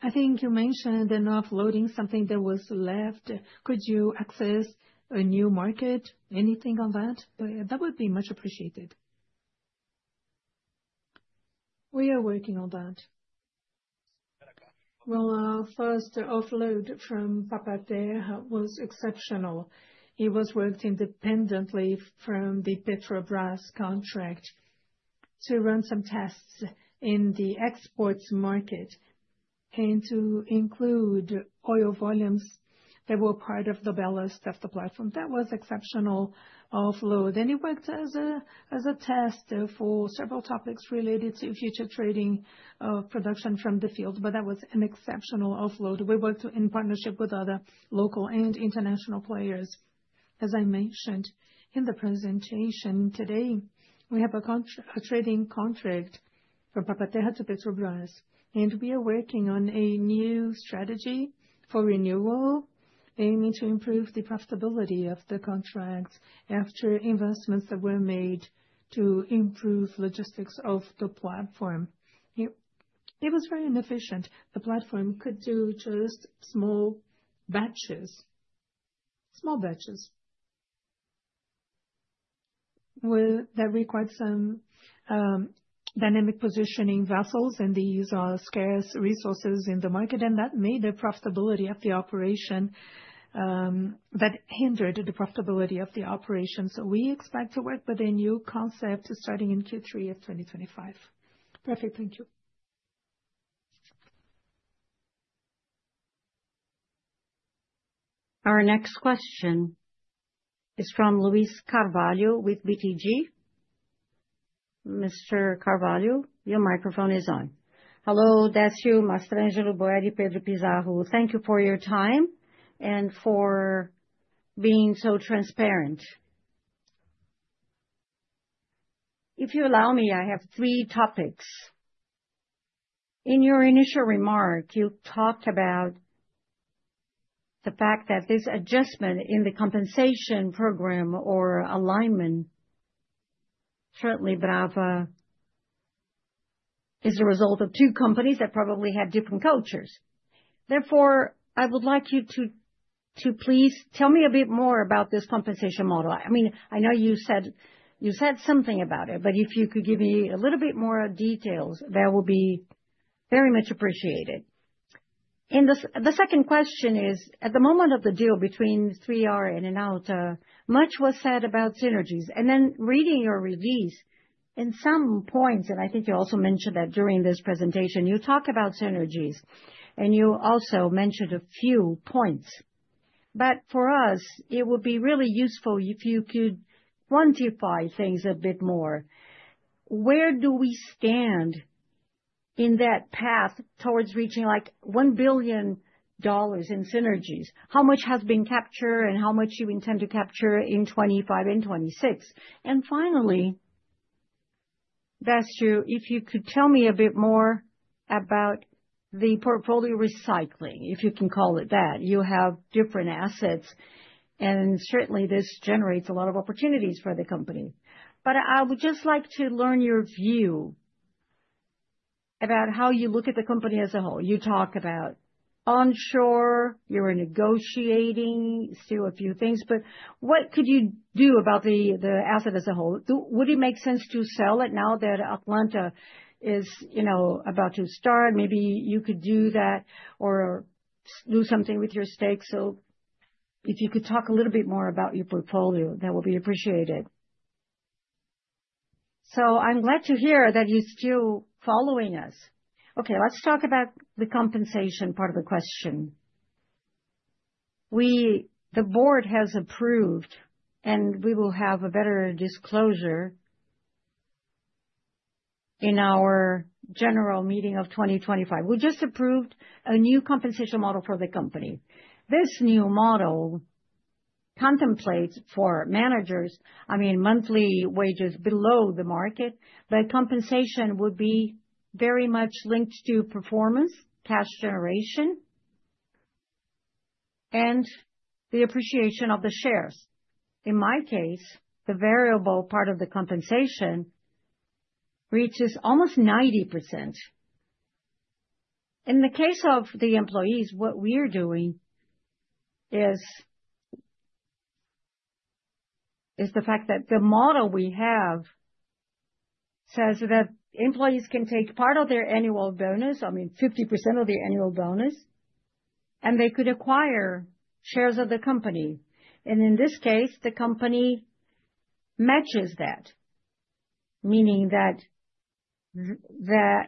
I think you mentioned an offloading, something that was left. Could you access a new market? Anything on that? That would be much appreciated. We are working on that. Our first offload from Papa-Terra was exceptional. It was worked independently from the Petrobras contract to run some tests in the exports market and to include oil volumes that were part of the ballast of the platform. That was an exceptional offload. It worked as a test for several topics related to future trading of production from the field, but that was an exceptional offload. We worked in partnership with other local and international players. As I mentioned in the presentation today, we have a trading contract from Papa-Terra to Petrobras, and we are working on a new strategy for renewal, aiming to improve the profitability of the contract after investments that were made to improve logistics of the platform. It was very inefficient. The platform could do just small batches, small batches. That required some dynamic positioning vessels, and these are scarce resources in the market, and that hindered the profitability of the operation. We expect to work with a new concept starting in Q3 of 2025. Perfect. Thank you. Our next question is from Luiz Carvalho with BTG. Mr. Carvalho, your microphone is on. Hello, Décio, Mastrangelo, Boedi, Pedro, Pizarro. Thank you for your time and for being so transparent. If you allow me, I have three topics. In your initial remark, you talked about the fact that this adjustment in the compensation program or alignment, certainly Brava, is the result of two companies that probably have different cultures. Therefore, I would like you to please tell me a bit more about this compensation model. I mean, I know you said something about it, but if you could give me a little bit more details, that will be very much appreciated. The second question is, at the moment of the deal between 3R and Enauta, much was said about synergies. Reading your release in some points, and I think you also mentioned that during this presentation, you talk about synergies, and you also mentioned a few points. For us, it would be really useful if you could quantify things a bit more. Where do we stand in that path towards reaching $1 billion in synergies? How much has been captured and how much do you intend to capture in 2025 and 2026? Finally, Décio, if you could tell me a bit more about the portfolio recycling, if you can call it that. You have different assets, and certainly this generates a lot of opportunities for the company. I would just like to learn your view about how you look at the company as a whole. You talk about onshore, you're negotiating still a few things, but what could you do about the asset as a whole? Would it make sense to sell it now that Atlanta is about to start? Maybe you could do that or do something with your stakes. If you could talk a little bit more about your portfolio, that would be appreciated. I'm glad to hear that you're still following us. Okay, let's talk about the compensation part of the question. The board has approved, and we will have a better disclosure in our general meeting of 2025. We just approved a new compensation model for the company. This new model contemplates for managers, I mean, monthly wages below the market, but compensation would be very much linked to performance, cash generation, and the appreciation of the shares. In my case, the variable part of the compensation reaches almost 90%. In the case of the employees, what we are doing is the fact that the model we have says that employees can take part of their annual bonus, I mean, 50% of their annual bonus, and they could acquire shares of the company. In this case, the company matches that, meaning that that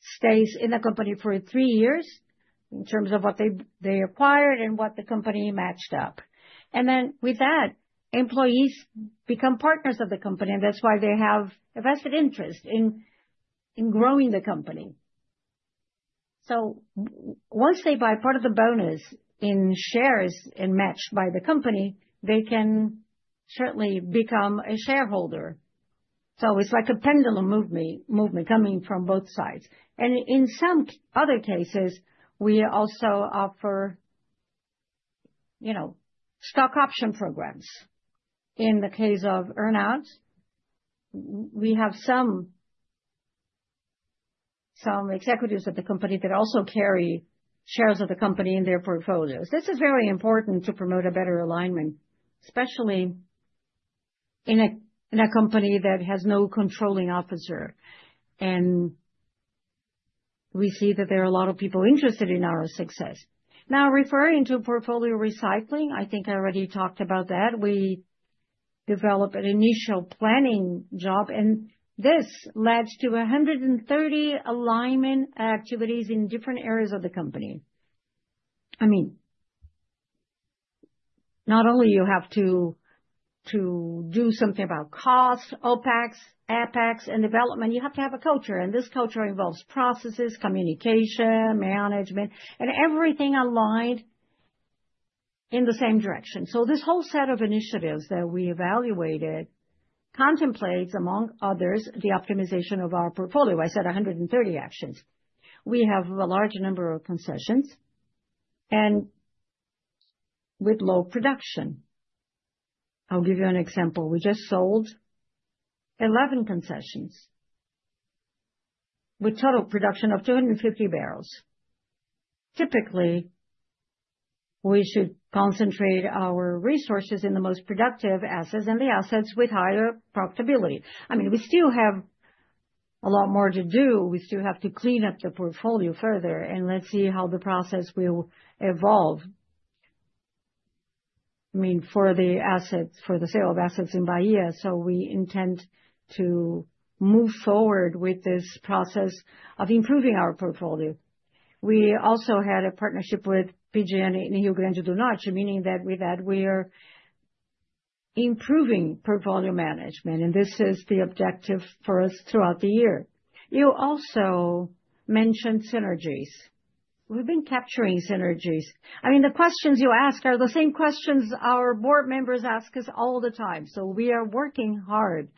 stays in the company for three years in terms of what they acquired and what the company matched up. With that, employees become partners of the company, and that's why they have a vested interest in growing the company. Once they buy part of the bonus in shares and match by the company, they can certainly become a shareholder. It is like a pendulum movement coming from both sides. In some other cases, we also offer stock option programs. In the case of earnouts, we have some executives at the company that also carry shares of the company in their portfolios. This is very important to promote a better alignment, especially in a company that has no controlling officer. We see that there are a lot of people interested in our success. Now, referring to portfolio recycling, I think I already talked about that. We develop an initial planning job, and this led to 130 alignment activities in different areas of the company. I mean, not only do you have to do something about cost, OpEx, CapEx, and development, you have to have a culture. This culture involves processes, communication, management, and everything aligned in the same direction. This whole set of initiatives that we evaluated contemplates, among others, the optimization of our portfolio. I said 130 actions. We have a large number of concessions and with low production. I'll give you an example. We just sold 11 concessions with total production of 250 bbl. Typically, we should concentrate our resources in the most productive assets and the assets with higher profitability. I mean, we still have a lot more to do. We still have to clean up the portfolio further, and let's see how the process will evolve. I mean, for the assets, for the sale of assets in Bahia. We intend to move forward with this process of improving our portfolio. We also had a partnership with PetroRecôncavo in Rio Grande do Norte, meaning that with that, we are improving portfolio management, and this is the objective for us throughout the year. You also mentioned synergies. We've been capturing synergies. I mean, the questions you ask are the same questions our board members ask us all the time. We are working hard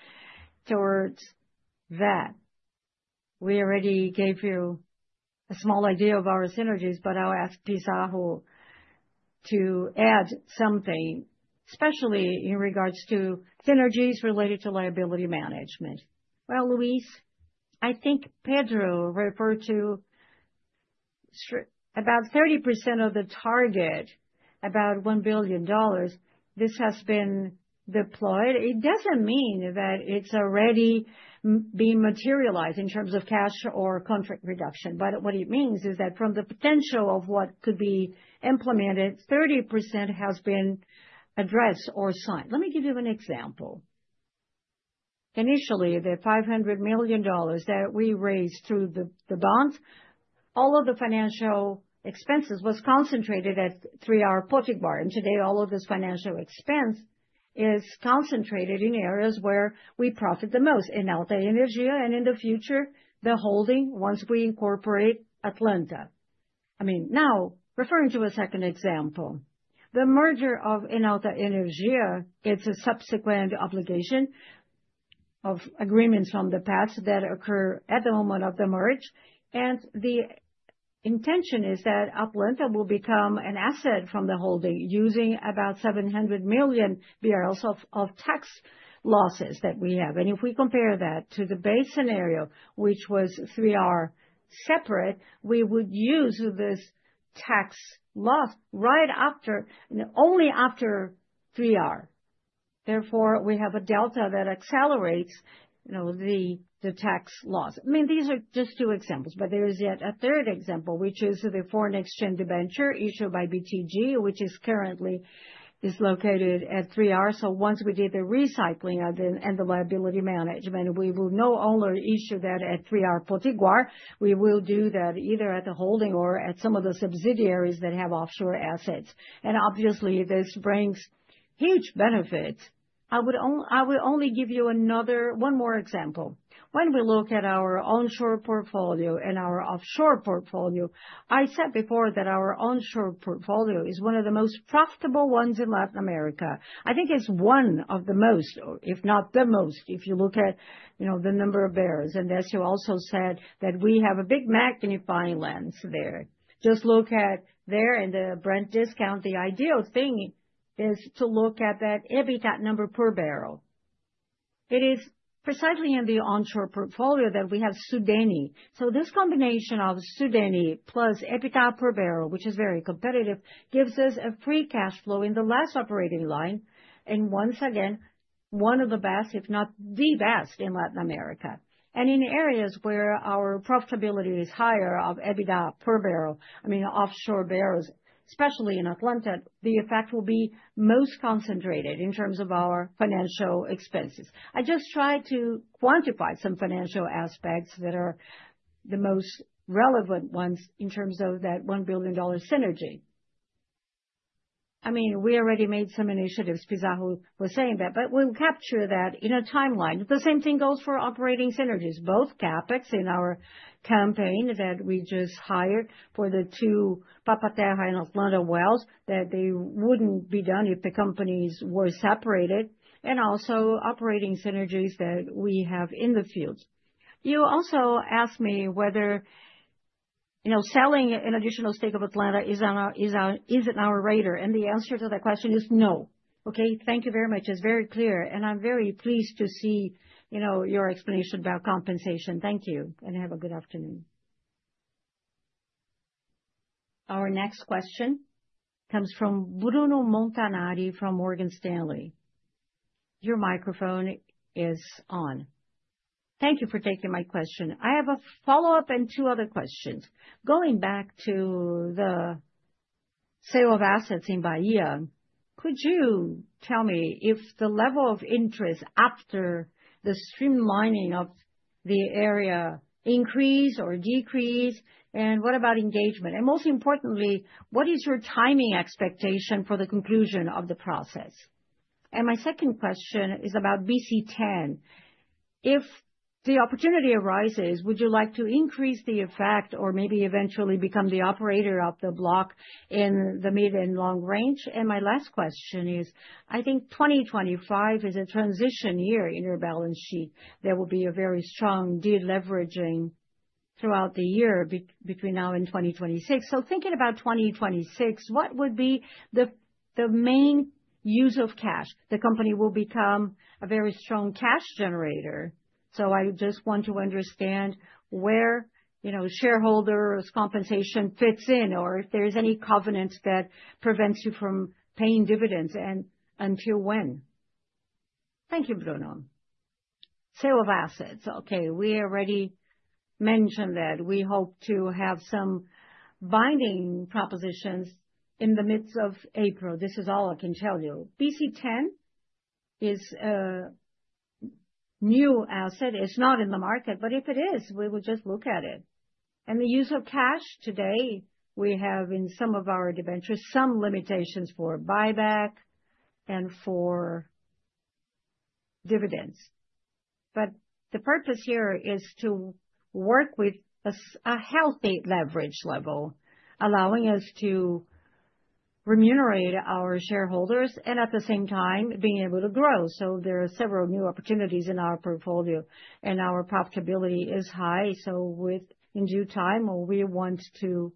towards that. We already gave you a small idea of our synergies, but I'll ask Pizarro to add something, especially in regards to synergies related to liability management. Luiz, I think Pedro referred to about 30% of the target, about $1 billion. This has been deployed. It does not mean that it has already been materialized in terms of cash or contract reduction, but what it means is that from the potential of what could be implemented, 30% has been addressed or signed. Let me give you an example. Initially, the $500 million that we raised through the bond, all of the financial expenses were concentrated at 3R Potiguar. Today, all of this financial expense is concentrated in areas where we profit the most: Enauta Energia and in the future, the holding once we incorporate Atlanta. I mean, now referring to a second example, the merger of Enauta Energia, it is a subsequent obligation of agreements from the past that occur at the moment of the merge. The intention is that Atlanta will become an asset from the holding using about 700 million bbl of tax losses that we have. If we compare that to the base scenario, which was 3R separate, we would use this tax loss right after, only after 3R. Therefore, we have a delta that accelerates the tax loss. I mean, these are just two examples, but there is yet a third example, which is the foreign exchange venture issued by BTG, which currently is located at 3R. Once we did the recycling and the liability management, we will no longer issue that at 3R Potiguar. We will do that either at the holding or at some of the subsidiaries that have offshore assets. Obviously, this brings huge benefits. I would only give you one more example. When we look at our onshore portfolio and our offshore portfolio, I said before that our onshore portfolio is one of the most profitable ones in Latin America. I think it's one of the most, if not the most, if you look at the number of bbl. Decio also said that we have a big magnifying lens there. Just look at there in the Brent discount. The ideal thing is to look at that EBITDA number per barrel. It is precisely in the onshore portfolio that we have Sudani. This combination of Sudani plus EBITDA per barrel, which is very competitive, gives us a free cash flow in the last operating line. Once again, one of the best, if not the best in Latin America. In areas where our profitability is higher of EBITDA per barrel, I mean, offshore barrels, especially in Atlanta, the effect will be most concentrated in terms of our financial expenses. I just tried to quantify some financial aspects that are the most relevant ones in terms of that $1 billion synergy. I mean, we already made some initiatives, Pizarro was saying that, but we'll capture that in a timeline. The same thing goes for operating synergies. Both CapEx in our campaign that we just hired for the two Papa-Terra and Atlanta wells that they would not be done if the companies were separated, and also operating synergies that we have in the field. You also asked me whether selling an additional stake of Atlanta is in our radar. The answer to that question is no. Okay, thank you very much. It is very clear. I am very pleased to see your explanation about compensation. Thank you, and have a good afternoon. Our next question comes from Bruno Montanari from Morgan Stanley. Your microphone is on. Thank you for taking my question. I have a follow-up and two other questions. Going back to the sale of assets in Bahia, could you tell me if the level of interest after the streamlining of the area increased or decreased? What about engagement? Most importantly, what is your timing expectation for the conclusion of the process? My second question is about BC-10. If the opportunity arises, would you like to increase the effect or maybe eventually become the operator of the block in the mid and long range? My last question is, I think 2025 is a transition year in your balance sheet. There will be a very strong de-leveraging throughout the year between now and 2026. Thinking about 2026, what would be the main use of cash? The company will become a very strong cash generator. I just want to understand where shareholders' compensation fits in or if there is any covenant that prevents you from paying dividends and until when. Thank you, Bruno. Sale of assets. We already mentioned that we hope to have some binding propositions in the midst of April. This is all I can tell you. BC-10 is a new asset. It's not in the market, but if it is, we will just look at it. The use of cash today, we have in some of our debentures some limitations for buyback and for dividends. The purpose here is to work with a healthy leverage level, allowing us to remunerate our shareholders and at the same time being able to grow. There are several new opportunities in our portfolio, and our profitability is high. Within due time, we want to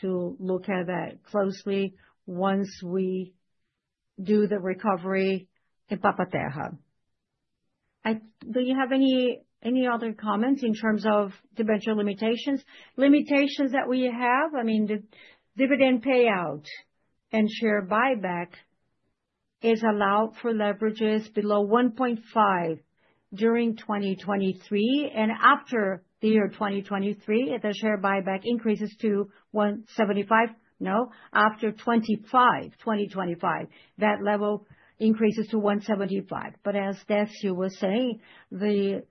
look at that closely once we do the recovery in Papa-Terra. Do you have any other comments in terms of debenture limitations? Limitations that we have, I mean, the dividend payout and share buyback is allowed for leverages below 1.5 during 2023. After the year 2023, the share buyback increases to 1.75. No, after 2025, that level increases to 1.75. But as Décio was saying, the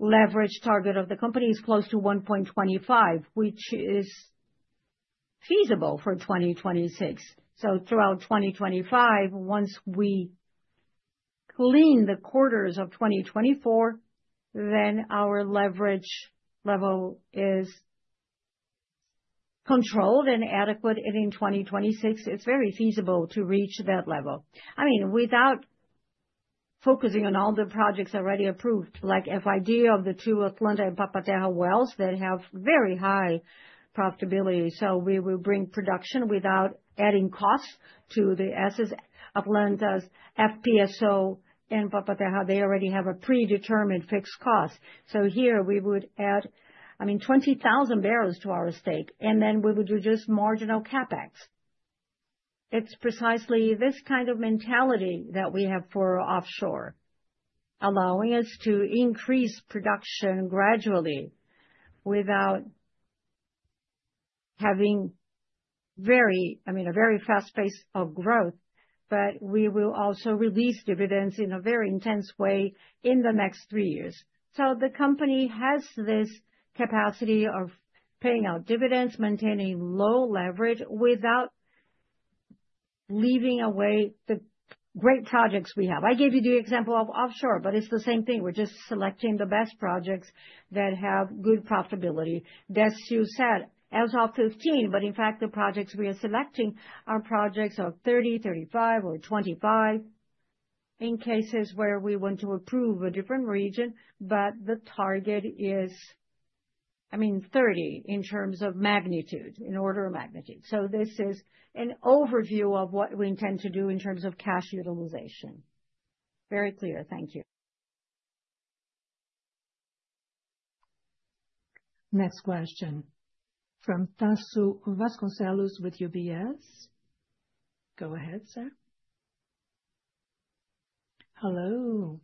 leverage target of the company is close to 1.25, which is feasible for 2026. Throughout 2025, once we clean the quarters of 2024, our leverage level is controlled and adequate in 2026. It's very feasible to reach that level. I mean, without focusing on all the projects already approved, like FID of the two Atlanta and Papa-Terra wells that have very high profitability. We will bring production without adding costs to the assets. Atlanta's FPSO and Papa-Terra already have a predetermined fixed cost. Here, we would add, I mean, 20,000 bbl to our stake, and then we would do just marginal CapEx. It's precisely this kind of mentality that we have for offshore, allowing us to increase production gradually without having, I mean, a very fast pace of growth, but we will also release dividends in a very intense way in the next three years. The company has this capacity of paying out dividends, maintaining low leverage without leaving away the great projects we have. I gave you the example of offshore, but it's the same thing. We're just selecting the best projects that have good profitability. Décio said as of 2015, but in fact, the projects we are selecting are projects of 2030, 2035, or 2025 in cases where we want to approve a different region, but the target is, I mean, 2030 in terms of magnitude, in order of magnitude. This is an overview of what we intend to do in terms of cash utilization. Very clear. Thank you. Next question from Tasso Vasconcellos with UBS. Go ahead, sir. Hello.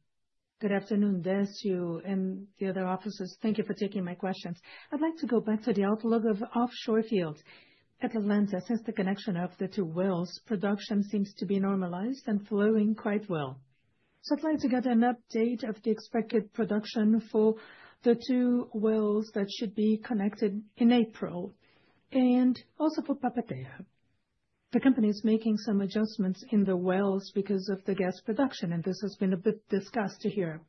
Good afternoon, Décio and the other officers. Thank you for taking my questions. I'd like to go back to the outlook of offshore fields at Atlanta. Since the connection of the two wells, production seems to be normalized and flowing quite well. I'd like to get an update of the expected production for the two wells that should be connected in April, and also for Papa-Terra. The company is making some adjustments in the wells because of the gas production, and this has been a bit discussed here.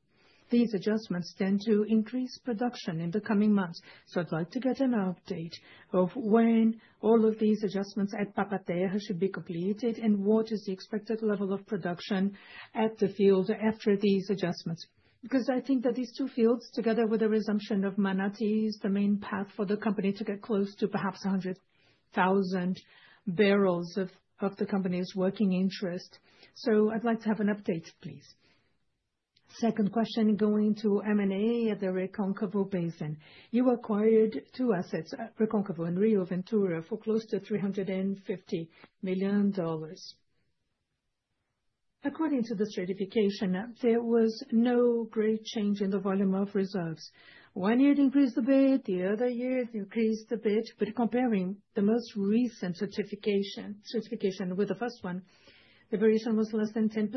These adjustments tend to increase production in the coming months. I'd like to get an update of when all of these adjustments at Papa-Terra should be completed and what is the expected level of production at the field after these adjustments. Because I think that these two fields, together with the resumption of Manati, is the main path for the company to get close to perhaps 100,000 bbl of the company's working interest. I would like to have an update, please. Second question going to M&A at the Recôncavo Basin. You acquired two assets, Recôncavo and Rio Ventura, for close to $350 million. According to the certification, there was no great change in the volume of reserves. One year it increased a bit, the other year it increased a bit, but comparing the most recent certification with the first one, the variation was less than 10%.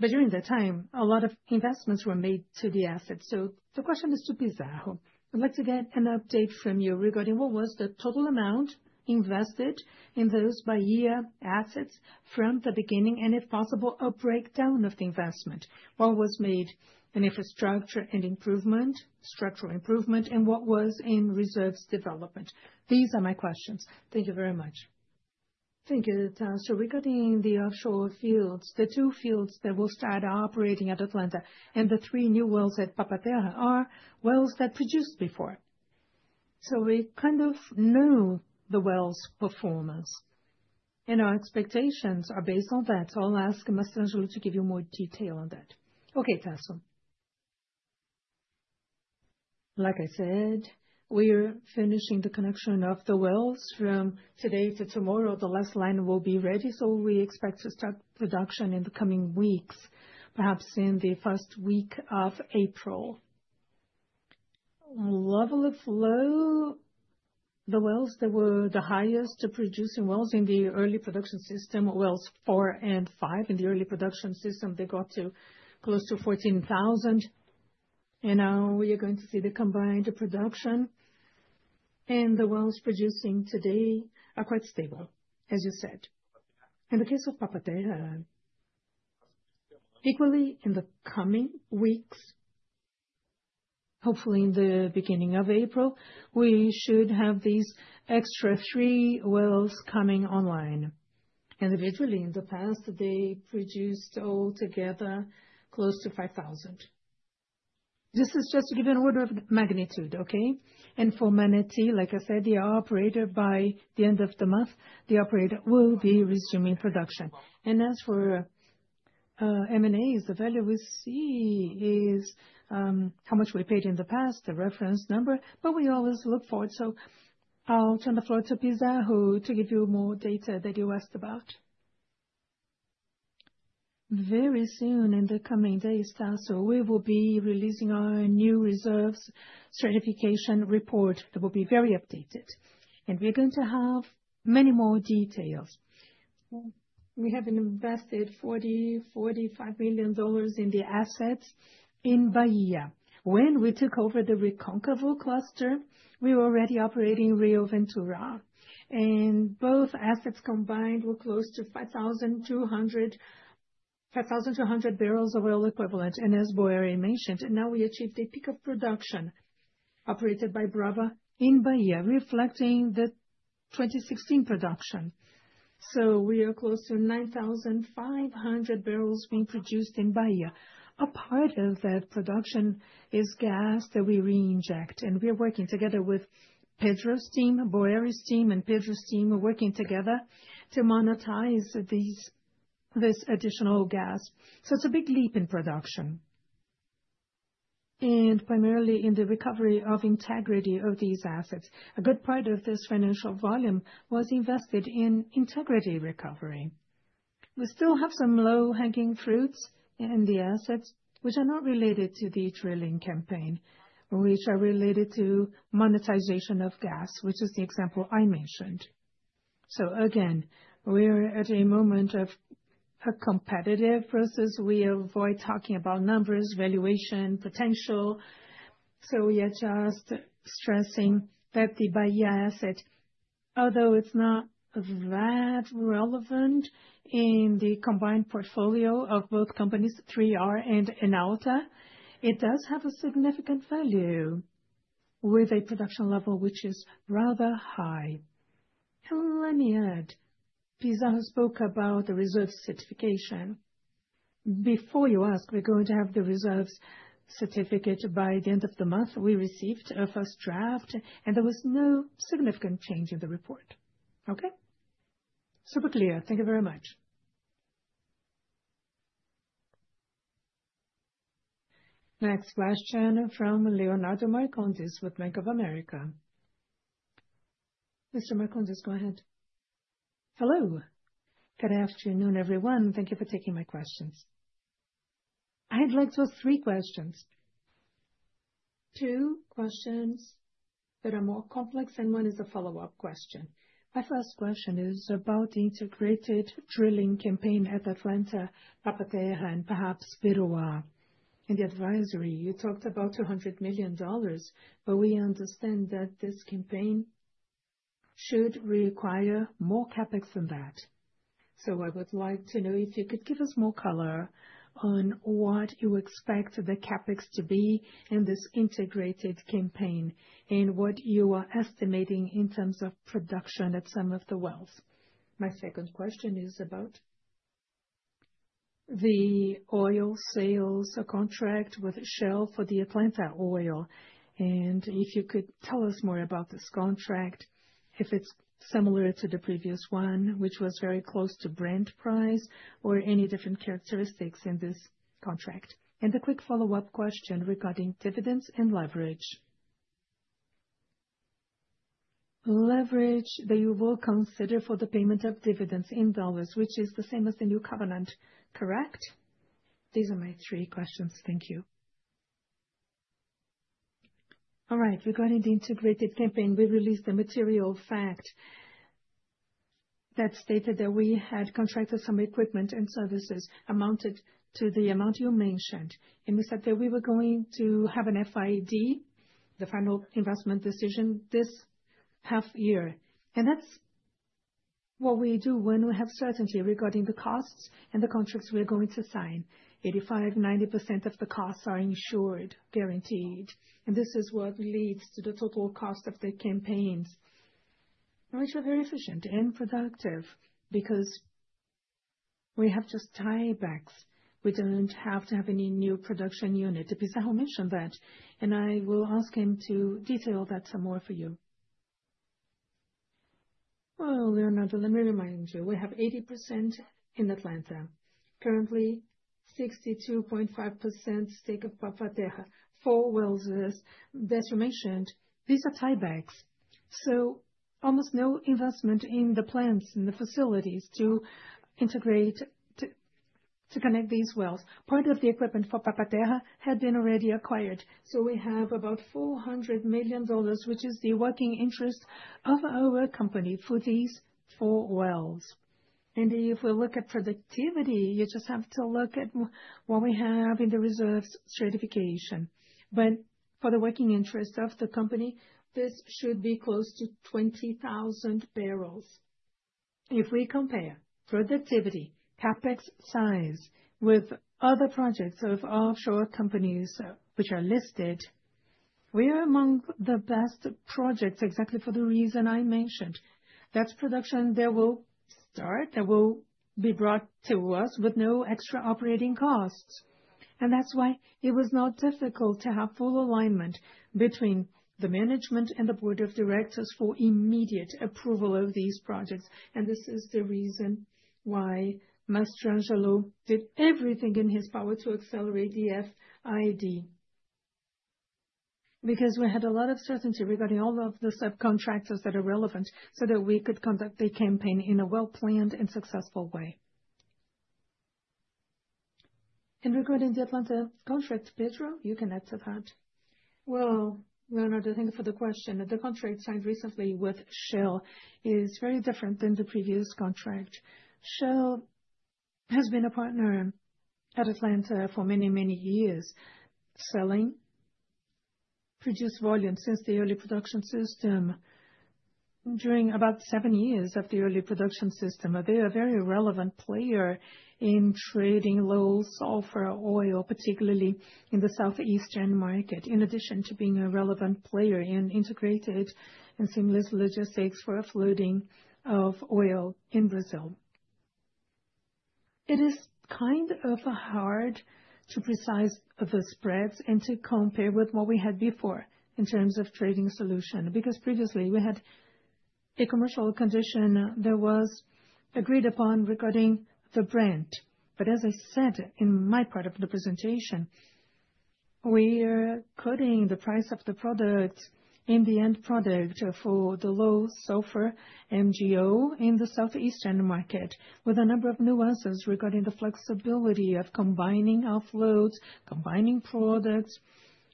During that time, a lot of investments were made to the assets. The question is to Pizarro. I'd like to get an update from you regarding what was the total amount invested in those Bahia assets from the beginning, and if possible, a breakdown of the investment. What was made in infrastructure and improvement, structural improvement, and what was in reserves development? These are my questions. Thank you very much. Thank you, Tasso. Regarding the offshore fields, the two fields that will start operating at Atlanta and the three new wells at Papa-Terra are wells that produced before. We kind of know the wells' performance, and our expectations are based on that. I'll ask Mastrangelo to give you more detail on that. Okay, Tasso. Like I said, we're finishing the connection of the wells. From today to tomorrow, the last line will be ready. We expect to start production in the coming weeks, perhaps in the first week of April. Level of flow, the wells that were the highest producing wells in the early production system, wells four and five in the early production system, they got to close to 14,000. Now we are going to see the combined production. The wells producing today are quite stable, as you said. In the case of Papa-Terra, equally in the coming weeks, hopefully in the beginning of April, we should have these extra three wells coming online. Individually, in the past, they produced altogether close to 5,000. This is just to give you an order of magnitude, okay? For Manati, like I said, the operator by the end of the month, the operator will be resuming production. As for M&As, the value we see is how much we paid in the past, the reference number, but we always look forward. I'll turn the floor to Pizarro to give you more data that you asked about. Very soon, in the coming days, Tasso, we will be releasing our new reserves certification report. It will be very updated. We're going to have many more details. We have invested $40-$45 million in the assets in Bahia. When we took over the Recôncavo cluster, we were already operating Rio Ventura. Both assets combined were close to 5,200 bbl of oil equivalent, as Boeri mentioned, and now we achieved a peak of production operated by Brava in Bahia, reflecting the 2016 production. We are close to 9,500 bbl being produced in Bahia. A part of that production is gas that we reinject. We are working together with Pedro's team, Boeri's team, and Pedro's team working together to monetize this additional gas. It's a big leap in production. Primarily in the recovery of integrity of these assets. A good part of this financial volume was invested in integrity recovery. We still have some low-hanging fruits in the assets, which are not related to the drilling campaign, which are related to monetization of gas, which is the example I mentioned. We are at a moment of a competitive process. We avoid talking about numbers, valuation, potential. We are just stressing that the Bahia asset, although it's not that relevant in the combined portfolio of both companies, 3R and Enauta, it does have a significant value with a production level which is rather high. Let me add, Pizarro spoke about the reserves certification. Before you ask, we're going to have the reserves certificate by the end of the month. We received a first draft, and there was no significant change in the report. Okay? Super clear. Thank you very much. Next question from Leonardo Marcondes with Bank of America. Mr. Marcondes, go ahead. Hello. Good afternoon, everyone. Thank you for taking my questions. I'd like to ask three questions. Two questions that are more complex, and one is a follow-up question. My first question is about the integrated drilling campaign at Atlanta, Papa-Terra, and perhaps Peruá. In the advisory, you talked about $200 million, but we understand that this campaign should require more CapEx than that. I would like to know if you could give us more color on what you expect the CapEx to be in this integrated campaign and what you are estimating in terms of production at some of the wells. My second question is about the oil sales contract with Shell for the Atlanta Oil. If you could tell us more about this contract, if it's similar to the previous one, which was very close to Brent price, or any different characteristics in this contract. A quick follow-up question regarding dividends and leverage. Leverage that you will consider for the payment of dividends in dollars, which is the same as the new covenant. Correct? These are my three questions. Thank you. All right. Regarding the integrated campaign, we released a material fact that stated that we had contracted some equipment and services amounted to the amount you mentioned. We said that we were going to have an FID, the final investment decision, this half year. That's what we do when we have certainty regarding the costs and the contracts we are going to sign. 85%-90% of the costs are insured, guaranteed. This is what leads to the total cost of the campaigns. Which are very efficient and productive because we have just tiebacks. We do not have to have any new production unit. Pizarro mentioned that. I will ask him to detail that some more for you. Leonardo, let me remind you, we have 80% in Atlanta. Currently, 62.5% stake of Papa-Terra. Four wells as Décio mentioned. These are tiebacks. Almost no investment in the plants and the facilities to integrate, to connect these wells. Part of the equipment for Papa-Terra had been already acquired. We have about $400 million, which is the working interest of our company for these four wells. If we look at productivity, you just have to look at what we have in the reserves certification. For the working interest of the company, this should be close to 20,000 bbl. If we compare productivity, CapEx size with other projects of offshore companies which are listed, we are among the best projects exactly for the reason I mentioned. That is production that will start, that will be brought to us with no extra operating costs. That is why it was not difficult to have full alignment between the management and the board of directors for immediate approval of these projects. This is the reason why Mr. Angelo did everything in his power to accelerate the FID. We had a lot of certainty regarding all of the subcontractors that are relevant so that we could conduct the campaign in a well-planned and successful way. Regarding the Atlanta contract, Pedro, you can add to that. Leonardo, thank you for the question. The contract signed recently with Shell is very different than the previous contract. Shell has been a partner at Atlanta for many, many years, selling produced volume since the early production system during about seven years of the early production system. They are a very relevant player in trading low sulfur oil, particularly in the southeastern market, in addition to being a relevant player in integrated and seamless logistics for offloading of oil in Brazil. It is kind of hard to precise the spreads and to compare with what we had before in terms of trading solution. Because previously, we had a commercial condition that was agreed upon regarding the brand. As I said in my part of the presentation, we are cutting the price of the product in the end product for the low sulfur MGO in the southeastern market, with a number of nuances regarding the flexibility of combining offloads, combining products,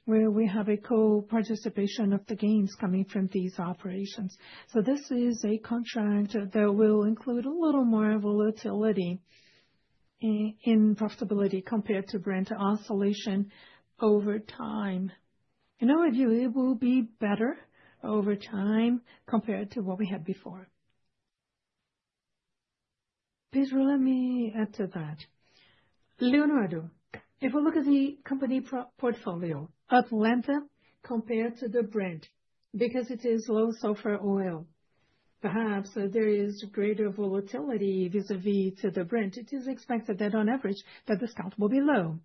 where we have a co-participation of the gains coming from these operations. This is a contract that will include a little more volatility in profitability compared to Brent oscillation over time. In our view, it will be better over time compared to what we had before. Pedro, let me add to that. Leonardo, if we look at the company portfolio, Atlanta compared to the Brent, because it is low sulfur oil, perhaps there is greater volatility vis-à-vis to the Brent, it is expected that on average, that discount will be low.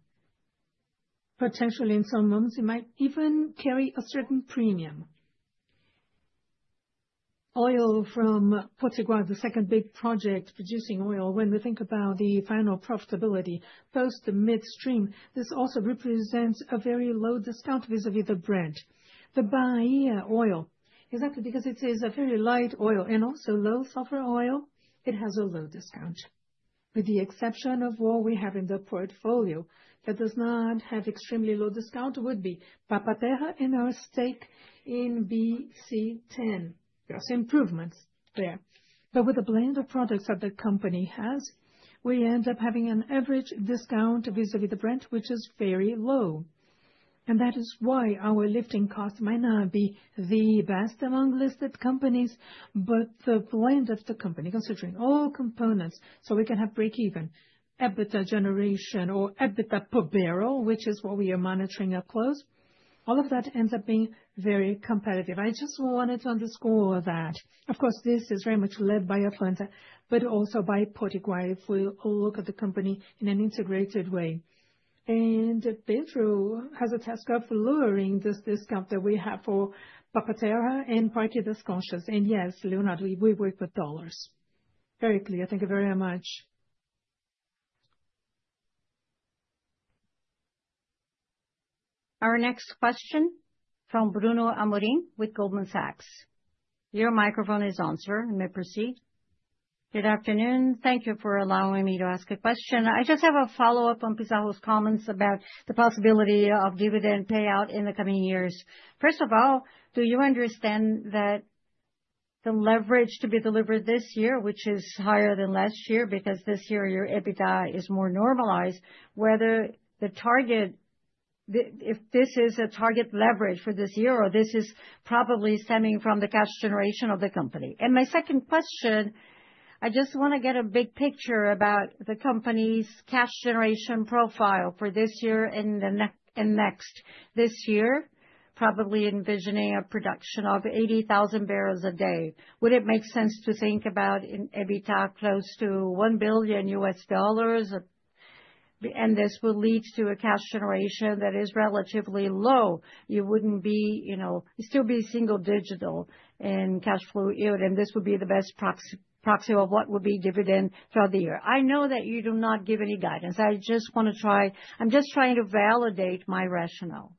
Potentially, in some moments, it might even carry a certain premium. Oil from Potiguar, the second big project producing oil, when we think about the final profitability, post midstream, this also represents a very low discount vis-à-vis the Brent. The Bahia oil, exactly because it is a very light oil and also low sulfur oil, it has a low discount. With the exception of what we have in the portfolio that does not have extremely low discount, would be Papa-Terra and our stake in BC-10. There are some improvements there. With the blend of products that the company has, we end up having an average discount vis-à-vis the Brent, which is very low. That is why our lifting cost might not be the best among listed companies, but the blend of the company, considering all components, so we can have break-even, EBITDA generation, or EBITDA per barrel, which is what we are monitoring up close, all of that ends up being very competitive. I just wanted to underscore that. Of course, this is very much led by Atlanta, but also by Potiguar if we look at the company in an integrated way. Pedro has a task of lowering this discount that we have for Papa-Terra and Parque das Conchas. Yes, Leonardo, we work with dollars. Very clear. Thank you very much. Our next question from Bruno Amorim with Goldman Sachs. Your microphone is on, sir. You may proceed. Good afternoon. Thank you for allowing me to ask a question. I just have a follow-up on Pizarro's comments about the possibility of dividend payout in the coming years. First of all, do you understand that the leverage to be delivered this year, which is higher than last year because this year your EBITDA is more normalized, whether the target, if this is a target leverage for this year or this is probably stemming from the cash generation of the company? My second question, I just want to get a big picture about the company's cash generation profile for this year and next. This year, probably envisioning a production of 80,000 bbl a day. Would it make sense to think about an EBITDA close to $1 billion? This will lead to a cash generation that is relatively low. You wouldn't be, you know, still be single digital in cash flow yield. This would be the best proxy of what would be dividend throughout the year. I know that you do not give any guidance. I just want to try, I'm just trying to validate my rationale.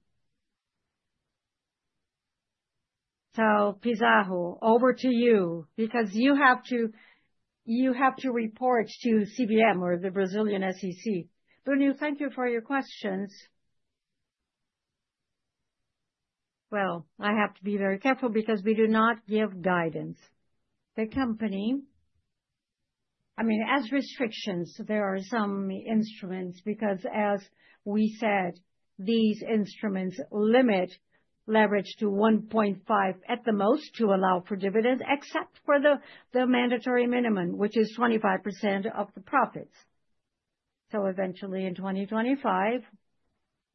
Pizarro, over to you, because you have to report to CBM or the Brazilian SEC. Bruno, thank you for your questions. I have to be very careful because we do not give guidance. The company, I mean, has restrictions, there are some instruments because, as we said, these instruments limit leverage to 1.5 at the most to allow for dividends, except for the mandatory minimum, which is 25% of the profits. Eventually, in 2025,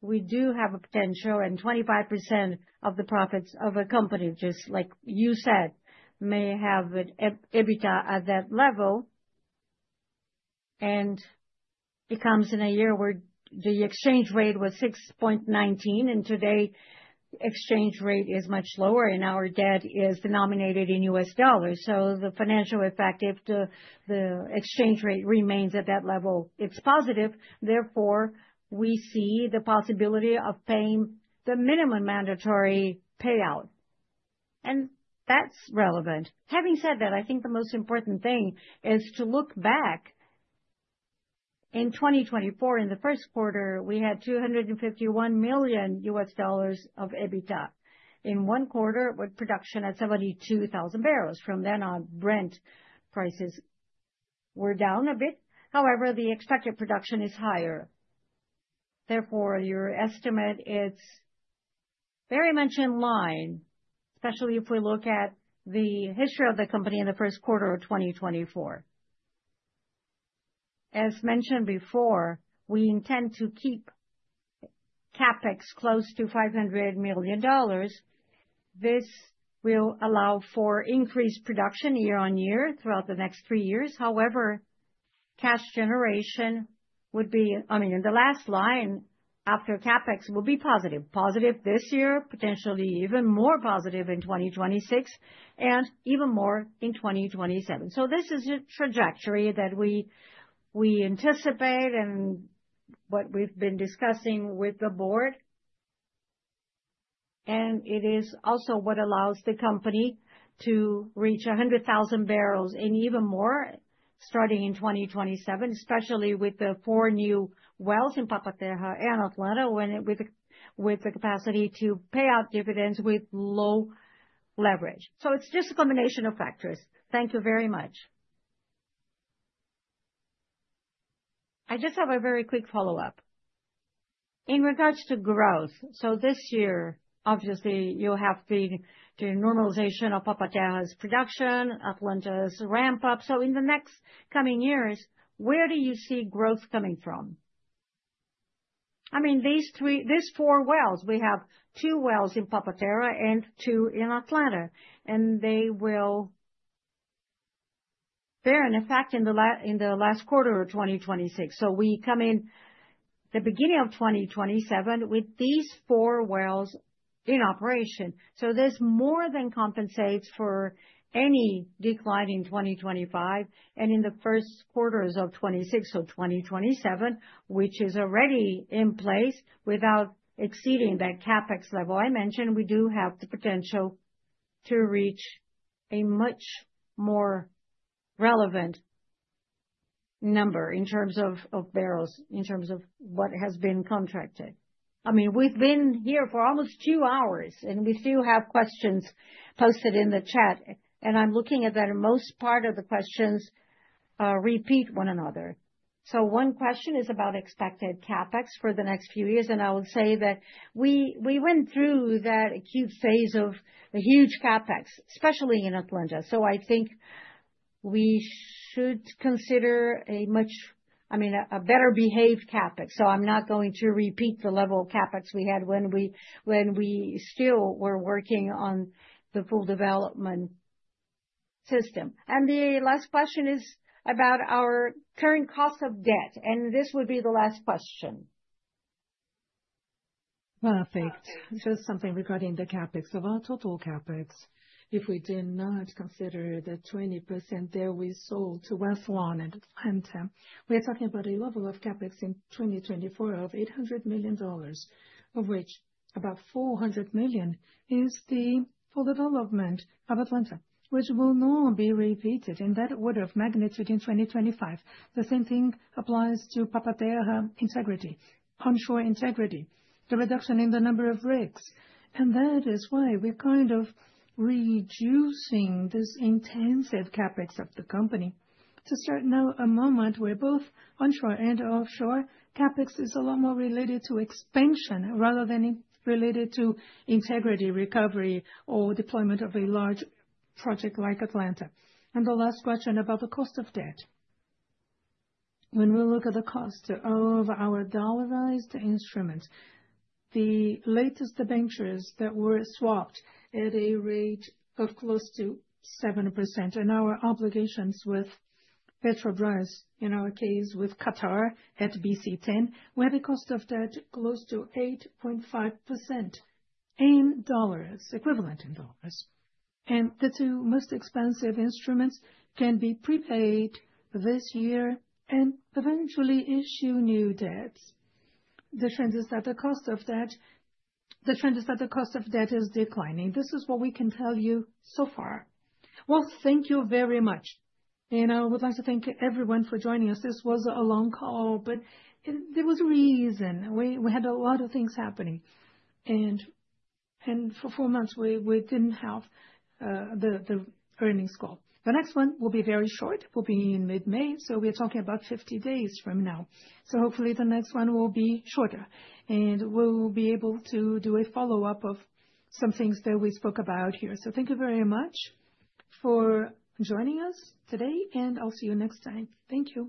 we do have a potential and 25% of the profits of a company, just like you said, may have an EBITDA at that level. It comes in a year where the exchange rate was 6.19, and today the exchange rate is much lower, and our debt is denominated in US dollars. The financial effect, if the exchange rate remains at that level, is positive. Therefore, we see the possibility of paying the minimum mandatory payout. That is relevant. Having said that, I think the most important thing is to look back. In 2024, in the first quarter, we had $251 million of EBITDA. In one quarter, with production at 72,000 bbl. From then on, brand prices were down a bit. However, the expected production is higher. Therefore, your estimate is very much in line, especially if we look at the history of the company in the first quarter of 2024. As mentioned before, we intend to keep CapEx close to $500 million. This will allow for increased production year on year throughout the next three years. However, cash generation would be, I mean, in the last line after CapEx will be positive. Positive this year, potentially even more positive in 2026, and even more in 2027. This is a trajectory that we anticipate and what we've been discussing with the board. It is also what allows the company to reach 100,000 bbl and even more starting in 2027, especially with the four new wells in Papa-Terra and Atlanta with the capacity to pay out dividends with low leverage. It is just a combination of factors. Thank you very much. I just have a very quick follow-up. In regards to growth, this year, obviously, you'll have the normalization of Papa-Terra's production, Atlanta's ramp-up. In the next coming years, where do you see growth coming from? I mean, these four wells, we have two wells in Papa-Terra and two in Atlanta. They will bear an effect in the last quarter of 2026. We come in the beginning of 2027 with these four wells in operation. This more than compensates for any decline in 2025. In the first quarters of 2026, 2027, which is already in place without exceeding that CapEx level I mentioned, we do have the potential to reach a much more relevant number in terms of barrels, in terms of what has been contracted. I mean, we've been here for almost two hours, and we still have questions posted in the chat. I'm looking at that, most part of the questions repeat one another. One question is about expected CapEx for the next few years. I would say that we went through that acute phase of the huge CapEx, especially in Atlanta. I think we should consider a much, I mean, a better-behaved CapEx. I'm not going to repeat the level of CapEx we had when we still were working on the full development system. The last question is about our current cost of debt. This would be the last question. Perfect. Just something regarding the CapEx of our total CapEx. If we did not consider the 20% that we sold to Westlake in Atlanta, we are talking about a level of CapEx in 2024 of $800 million, of which about $400 million is the full development of Atlanta, which will not be repeated in that order of magnitude in 2025. The same thing applies to Papa-Terra integrity, onshore integrity, the reduction in the number of rigs. That is why we're kind of reducing this intensive CapEx of the company to start now a moment where both onshore and offshore CapEx is a lot more related to expansion rather than related to integrity recovery or deployment of a large project like Atlanta. The last question about the cost of debt. When we look at the cost of our dollarized instruments, the latest debentures that were swapped at a rate of close to 7% and our obligations with Petrobras, in our case, with Qatar at BC-10, we have a cost of debt close to 8.5% in dollars, equivalent in dollars. The two most expensive instruments can be prepaid this year and eventually issue new debts. The trend is that the cost of debt, the trend is that the cost of debt is declining. This is what we can tell you so far. Thank you very much. I would like to thank everyone for joining us. This was a long call, but there was a reason. We had a lot of things happening. For four months, we did not have the earnings call. The next one will be very short. It will be in mid-May. We are talking about 50 days from now. Hopefully, the next one will be shorter. We will be able to do a follow-up of some things that we spoke about here. Thank you very much for joining us today. I will see you next time. Thank you.